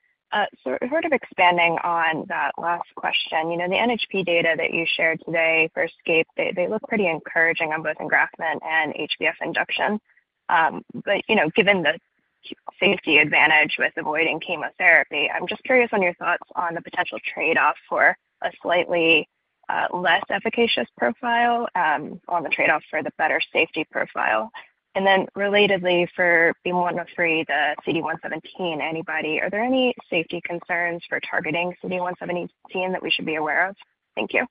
Sort of expanding on that last question, the NHP data that you shared today for ESCAPE, they look pretty encouraging on both engraftment and HbF induction. But given the safety advantage with avoiding chemotherapy, I'm just curious on your thoughts on the potential trade-off for a slightly less efficacious profile or the trade-off for the better safety profile. And then relatedly, for BEAM-103, the CD117 antibody, are there any safety concerns for targeting CD117 that we should be aware of? Thank you.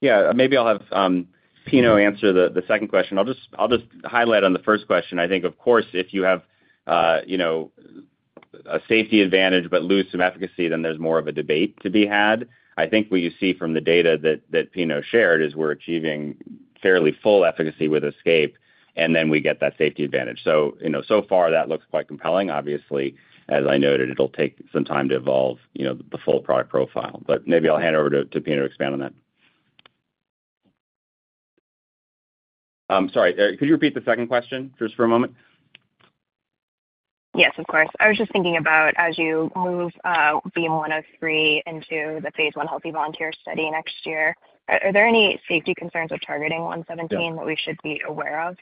Yeah. Maybe I'll have Pino answer the second question. I'll just highlight on the first question. I think, of course, if you have a safety advantage but lose some efficacy, then there's more of a debate to be had. I think what you see from the data that Pino shared is we're achieving fairly full efficacy with ESCAPE, and then we get that safety advantage. So far, that looks quite compelling. Obviously, as I noted, it'll take some time to evolve the full product profile. But maybe I'll hand over to Pino to expand on that. Sorry. Could you repeat the second question just for a moment? Yes, of course. I was just thinking about as you move Beam 103 into the Phase 1 healthy volunteer study next year, are there any safety concerns with targeting 117 that we should be aware of?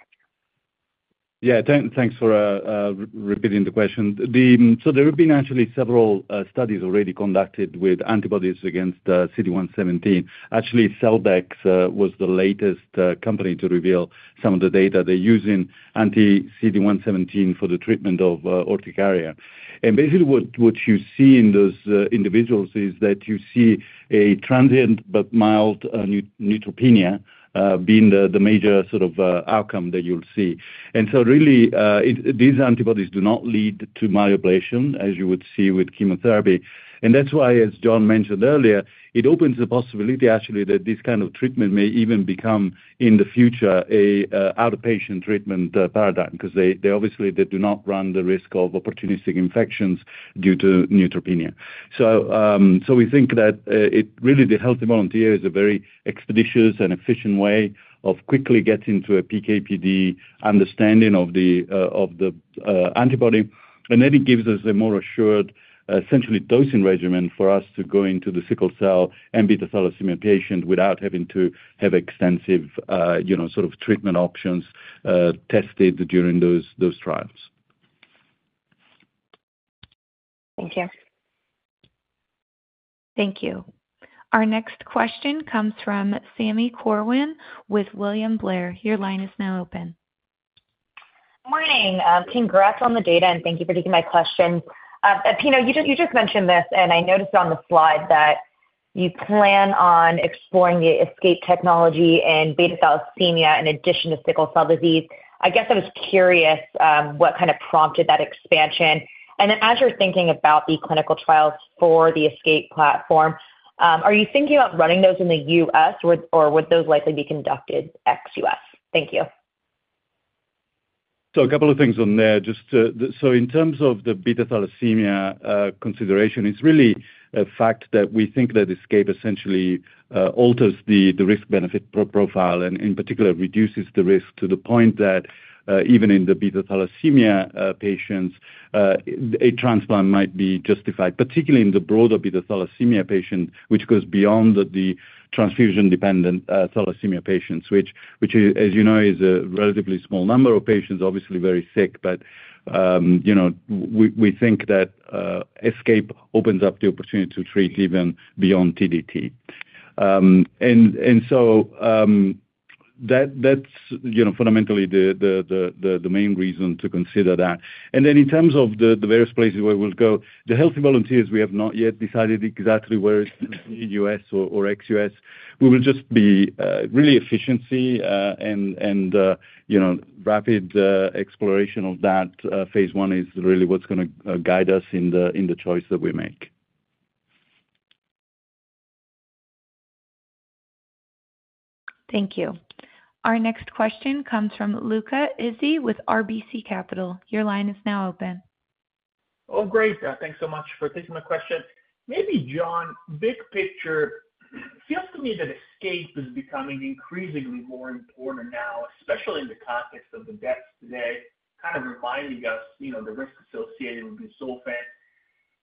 Yeah. Thanks for repeating the question. So there have been actually several studies already conducted with antibodies against CD117. Actually, Celdex was the latest company to reveal some of the data they're using anti-CD117 for the treatment of urticaria, and basically, what you see in those individuals is that you see a transient but mild neutropenia being the major sort of outcome that you'll see. And so really, these antibodies do not lead to myeloablation as you would see with chemotherapy, and that's why, as John mentioned earlier, it opens the possibility actually that this kind of treatment may even become in the future an outpatient treatment paradigm because they obviously do not run the risk of opportunistic infections due to neutropenia. So we think that really the healthy volunteer is a very expeditious and efficient way of quickly getting to a PK/PD understanding of the antibody. And then it gives us a more assured essentially dosing regimen for us to go into the sickle cell and beta-thalassemia patient without having to have extensive sort of treatment options tested during those trials. Thank you. Thank you. Our next question comes from Sami Corwin with William Blair. Your line is now open. Morning. Congrats on the data, and thank you for taking my question. You just mentioned this, and I noticed on the slide that you plan on exploring the ESCAPE technology and beta-thalassemia in addition to sickle cell disease. I guess I was curious what kind of prompted that expansion. And then as you're thinking about the clinical trials for the ESCAPE platform, are you thinking about running those in the U.S., or would those likely be conducted ex-U.S.? Thank you. So a couple of things on there. So in terms of the beta-thalassemia consideration, it's really a fact that we think that ESCAPE essentially alters the risk-benefit profile and in particular reduces the risk to the point that even in the beta-thalassemia patients, a transplant might be justified, particularly in the broader beta-thalassemia patient, which goes beyond the transfusion-dependent thalassemia patients, which, as you know, is a relatively small number of patients, obviously very sick. But we think that ESCAPE opens up the opportunity to treat even beyond TDT. And so that's fundamentally the main reason to consider that. And then in terms of the various places where we'll go, the healthy volunteers, we have not yet decided exactly where it's in the U.S. or ex-U.S. We will just be really efficient and rapid exploration of that Phase 1 is really what's going to guide us in the choice that we make. Thank you. Our next question comes from Luca Issi with RBC Capital. Your line is now open. Oh, great. Thanks so much for taking my question. Maybe, John, big picture, it feels to me that ESCAPE is becoming increasingly more important now, especially in the context of the deaths today, kind of reminding us the risk associated with busulfan.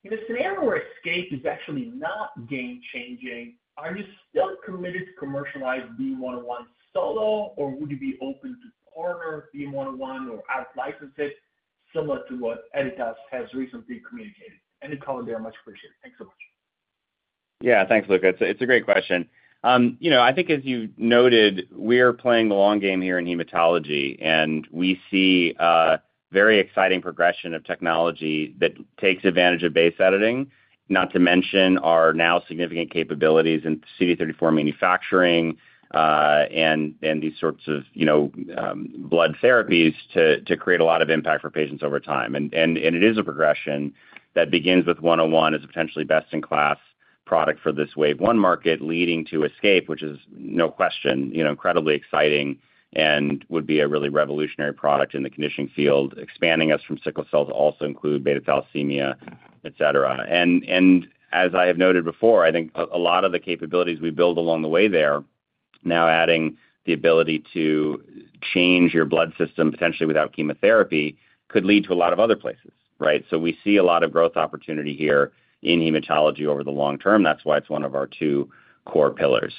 In a scenario where ESCAPE is actually not game-changing, are you still committed to commercialize Beam 101 solo, or would you be open to partner Beam 101 or out-license it similar to what Editas has recently communicated? Any comment there, much appreciated. Thanks so much. Yeah. Thanks, Luca. It's a great question. I think as you noted, we are playing the long game here in hematology, and we see a very exciting progression of technology that takes advantage of base editing, not to mention our now significant capabilities in CD34 manufacturing and these sorts of blood therapies to create a lot of impact for patients over time. And it is a progression that begins with 101 as a potentially best-in-class product for this Wave 1 market, leading to ESCAPE, which is, no question, incredibly exciting and would be a really revolutionary product in the conditioning field, expanding us from sickle cell to also include beta-thalassemia, etc. And as I have noted before, I think a lot of the capabilities we build along the way there, now adding the ability to change your blood system potentially without chemotherapy, could lead to a lot of other places, right? So we see a lot of growth opportunity here in hematology over the long term. That's why it's one of our two core pillars.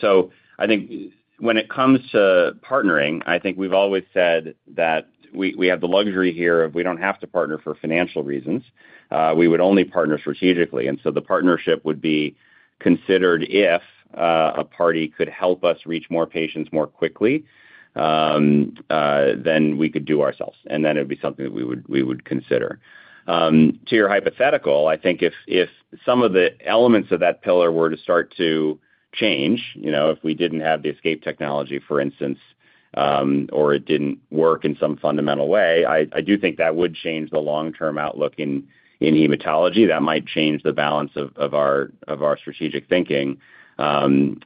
So I think when it comes to partnering, I think we've always said that we have the luxury here of we don't have to partner for financial reasons. We would only partner strategically. And so the partnership would be considered if a party could help us reach more patients more quickly than we could do ourselves. And then it would be something that we would consider. To your hypothetical, I think if some of the elements of that pillar were to start to change, if we didn't have the ESCAPE technology, for instance, or it didn't work in some fundamental way, I do think that would change the long-term outlook in hematology. That might change the balance of our strategic thinking.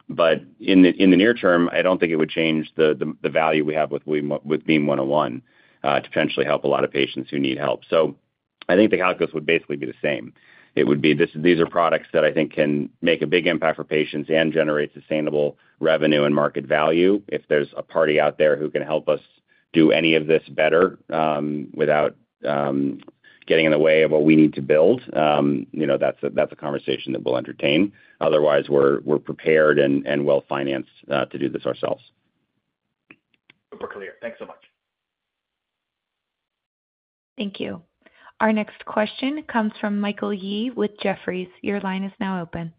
But in the near term, I don't think it would change the value we have with Beam 101 to potentially help a lot of patients who need help. So I think the calculus would basically be the same. It would be these are products that I think can make a big impact for patients and generate sustainable revenue and market value. If there's a party out there who can help us do any of this better without getting in the way of what we need to build, that's a conversation that we'll entertain. Otherwise, we're prepared and well-financed to do this ourselves. Super clear. Thanks so much. Thank you. Our next question comes from Michael Yee with Jefferies. Your line is now open.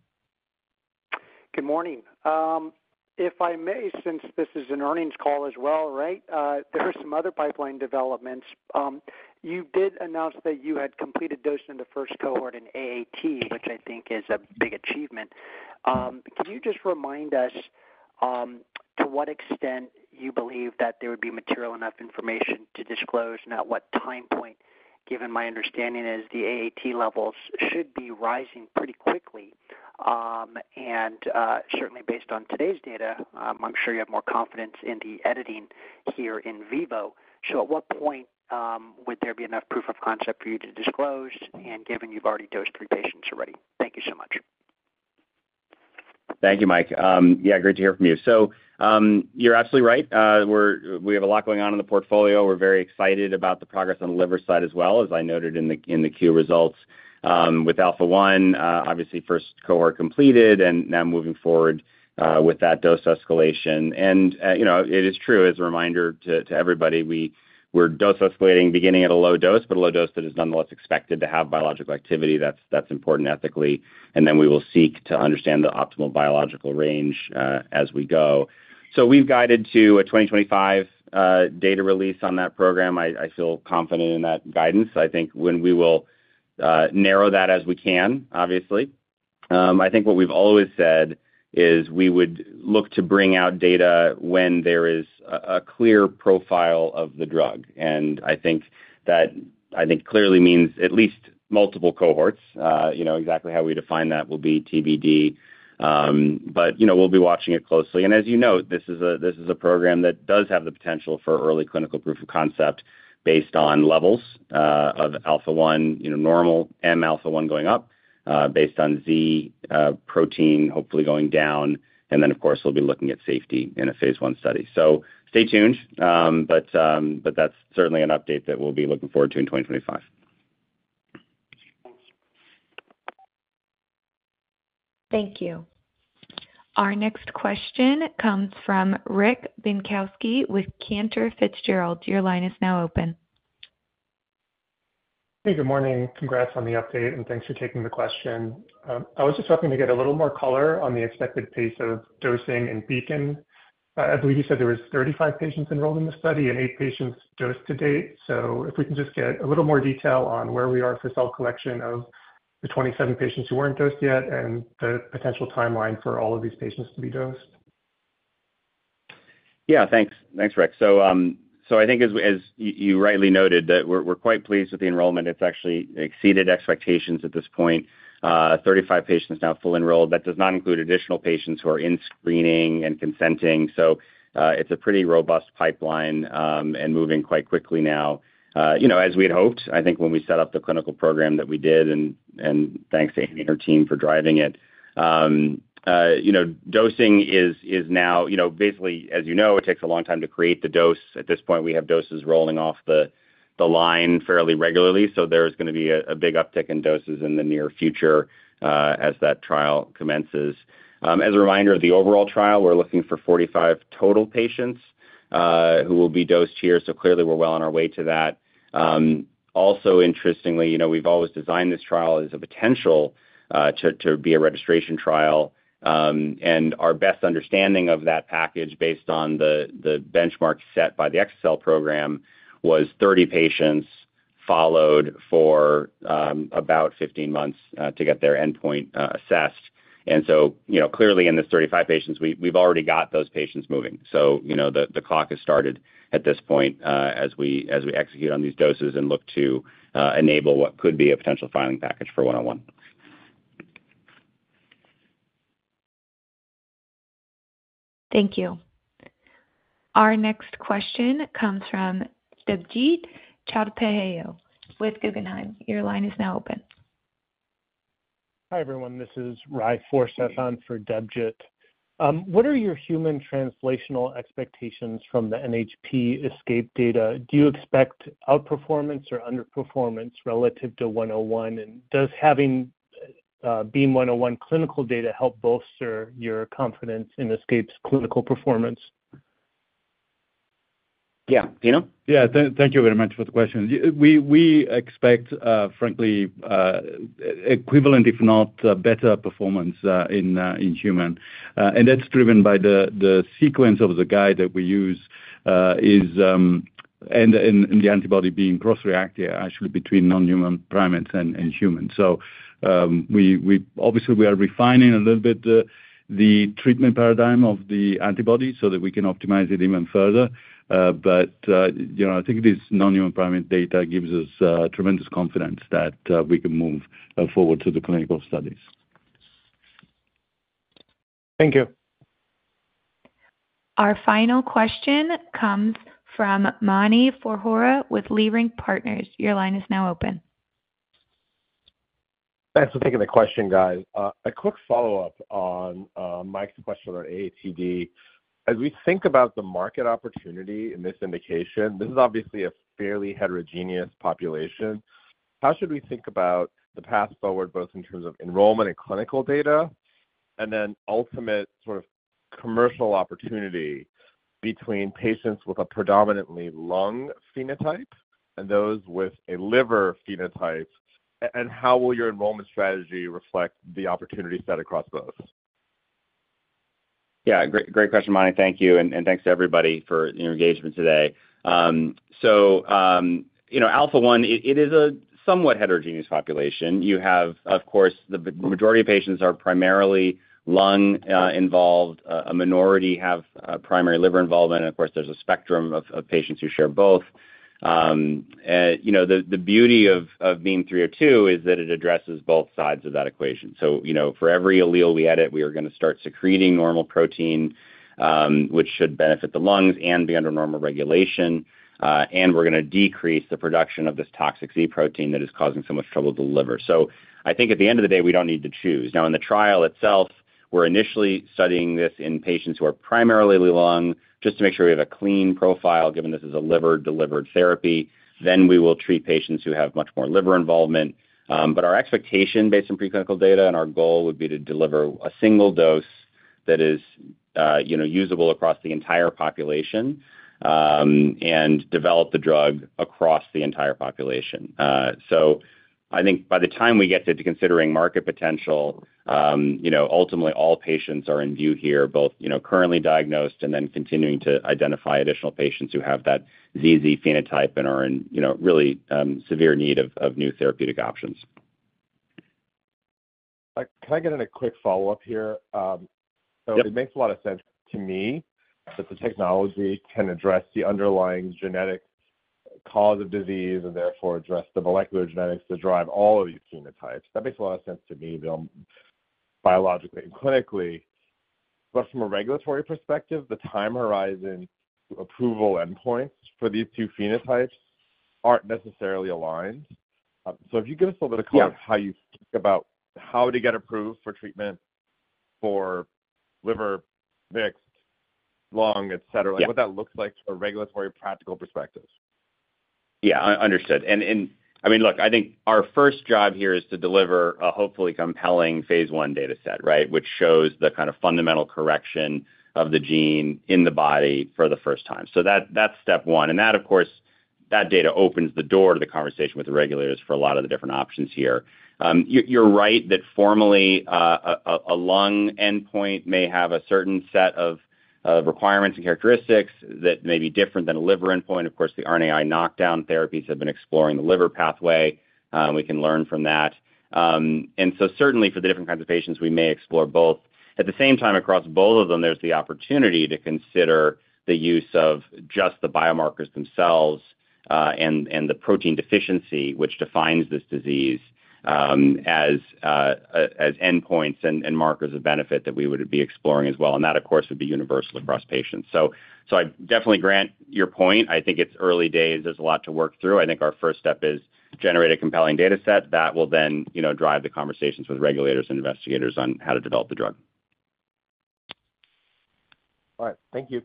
Good morning. If I may, since this is an earnings call as well, right, there are some other pipeline developments. You did announce that you had completed dosing of the first cohort in AAT, which I think is a big achievement. Can you just remind us to what extent you believe that there would be material enough information to disclose and at what time point, given my understanding is the AAT levels should be rising pretty quickly, and certainly based on today's data, I'm sure you have more confidence in the editing here in vivo, so at what point would there be enough proof of concept for you to disclose and given you've already dosed three patients already? Thank you so much. Thank you, Mike. Yeah, great to hear from you. So you're absolutely right. We have a lot going on in the portfolio. We're very excited about the progress on the liver side as well, as I noted in the Q1 results with Alpha-1, obviously first cohort completed and now moving forward with that dose escalation. And it is true, as a reminder to everybody, we're dose escalating beginning at a low dose, but a low dose that is nonetheless expected to have biological activity. That's important ethically. And then we will seek to understand the optimal biological range as we go. So we've guided to a 2025 data release on that program. I feel confident in that guidance. I think when we will narrow that as we can, obviously. I think what we've always said is we would look to bring out data when there is a clear profile of the drug. And I think that clearly means at least multiple cohorts. Exactly how we define that will be TBD. But we'll be watching it closely. And as you know, this is a program that does have the potential for early clinical proof of concept based on levels of alpha-1, normal M alpha-1 going up, based on Z protein hopefully going down. And then, of course, we'll be looking at safety in a phase 1 study. So stay tuned. But that's certainly an update that we'll be looking forward to in 2025. Thank you. Thank you. Our next question comes from Rick Bienkowski with Cantor Fitzgerald. Your line is now open. Hey, good morning. Congrats on the update, and thanks for taking the question. I was just hoping to get a little more color on the expected pace of dosing in BEACON. I believe you said there were 35 patients enrolled in the study and eight patients dosed to date. So if we can just get a little more detail on where we are for cell collection of the 27 patients who weren't dosed yet and the potential timeline for all of these patients to be dosed? Yeah. Thanks, Rick. So I think as you rightly noted, we're quite pleased with the enrollment. It's actually exceeded expectations at this point. 35 patients now full enrolled. That does not include additional patients who are in screening and consenting. So it's a pretty robust pipeline and moving quite quickly now, as we had hoped. I think when we set up the clinical program that we did, and thanks to Amy and her team for driving it, dosing is now basically, as you know, it takes a long time to create the dose. At this point, we have doses rolling off the line fairly regularly. So there's going to be a big uptick in doses in the near future as that trial commences. As a reminder of the overall trial, we're looking for 45 total patients who will be dosed here. So clearly, we're well on our way to that. Also, interestingly, we've always designed this trial as a potential to be a registration trial. And our best understanding of that package based on the benchmark set by the ex vivo program was 30 patients followed for about 15 months to get their endpoint assessed. And so clearly, in these 35 patients, we've already got those patients moving. So the clock has started at this point as we execute on these doses and look to enable what could be a potential filing package for 101. Thank you. Our next question comes from Debjit Chattopadhyay with Guggenheim. Your line is now open. Hi everyone. This is Ry Forseth for Debjit. What are your human translational expectations from the NHP ESCAPE data? Do you expect outperformance or underperformance relative to 101? And does having Beam 101 clinical data help bolster your confidence in ESCAPE's clinical performance? Yeah. Do you know? Yeah. Thank you very much for the question. We expect, frankly, equivalent, if not better performance in humans. And that's driven by the sequence of the guide that we use and the antibody being cross-reactive actually between non-human primates and humans. So obviously, we are refining a little bit the treatment paradigm of the antibody so that we can optimize it even further. But I think this non-human primate data gives us tremendous confidence that we can move forward to the clinical studies. Thank you. Our final question comes from Mani Foroohar with Leerink Partners. Your line is now open. Thanks for taking the question, guys. A quick follow-up on Mike's question about AATD. As we think about the market opportunity in this indication, this is obviously a fairly heterogeneous population. How should we think about the path forward both in terms of enrollment and clinical data and then ultimate sort of commercial opportunity between patients with a predominantly lung phenotype and those with a liver phenotype? And how will your enrollment strategy reflect the opportunity set across both? Yeah. Great question, Mani. Thank you and thanks to everybody for your engagement today. Alpha-1 is a somewhat heterogeneous population. You have, of course, the majority of patients are primarily lung involved. A minority have primary liver involvement. Of course, there's a spectrum of patients who share both. The beauty of Beam 302 is that it addresses both sides of that equation. For every allele we edit, we are going to start secreting normal protein, which should benefit the lungs and be under normal regulation. We're going to decrease the production of this toxic Z protein that is causing so much trouble to the liver. I think at the end of the day, we don't need to choose. Now, in the trial itself, we're initially studying this in patients who are primarily lung, just to make sure we have a clean profile, given this is a liver-delivered therapy. Then we will treat patients who have much more liver involvement. But our expectation based on preclinical data and our goal would be to deliver a single dose that is usable across the entire population and develop the drug across the entire population. So I think by the time we get to considering market potential, ultimately, all patients are in view here, both currently diagnosed and then continuing to identify additional patients who have that ZZ phenotype and are in really severe need of new therapeutic options. Can I get in a quick follow-up here? So it makes a lot of sense to me that the technology can address the underlying genetic cause of disease and therefore address the molecular genetics that drive all of these phenotypes. That makes a lot of sense to me biologically and clinically. But from a regulatory perspective, the time horizon approval endpoints for these two phenotypes aren't necessarily aligned. So if you give us a little bit of how you think about how to get approved for treatment for liver, mixed, lung, etc., what that looks like from a regulatory, practical perspective? Yeah. Understood, and I mean, look, I think our first job here is to deliver a hopefully compelling Phase 1 data set, right, which shows the kind of fundamental correction of the gene in the body for the first time, so that's step one, and that, of course, data opens the door to the conversation with the regulators for a lot of the different options here. You're right that formally, a lung endpoint may have a certain set of requirements and characteristics that may be different than a liver endpoint. Of course, the RNAi knockdown therapies have been exploring the liver pathway. We can learn from that, and so certainly, for the different kinds of patients, we may explore both. At the same time, across both of them, there's the opportunity to consider the use of just the biomarkers themselves and the protein deficiency, which defines this disease as endpoints and markers of benefit that we would be exploring as well. And that, of course, would be universal across patients. So I definitely grant your point. I think it's early days. There's a lot to work through. I think our first step is to generate a compelling data set that will then drive the conversations with regulators and investigators on how to develop the drug. All right. Thank you.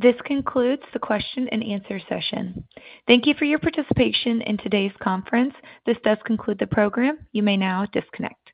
This concludes the question and answer session. Thank you for your participation in today's conference. This does conclude the program. You may now disconnect.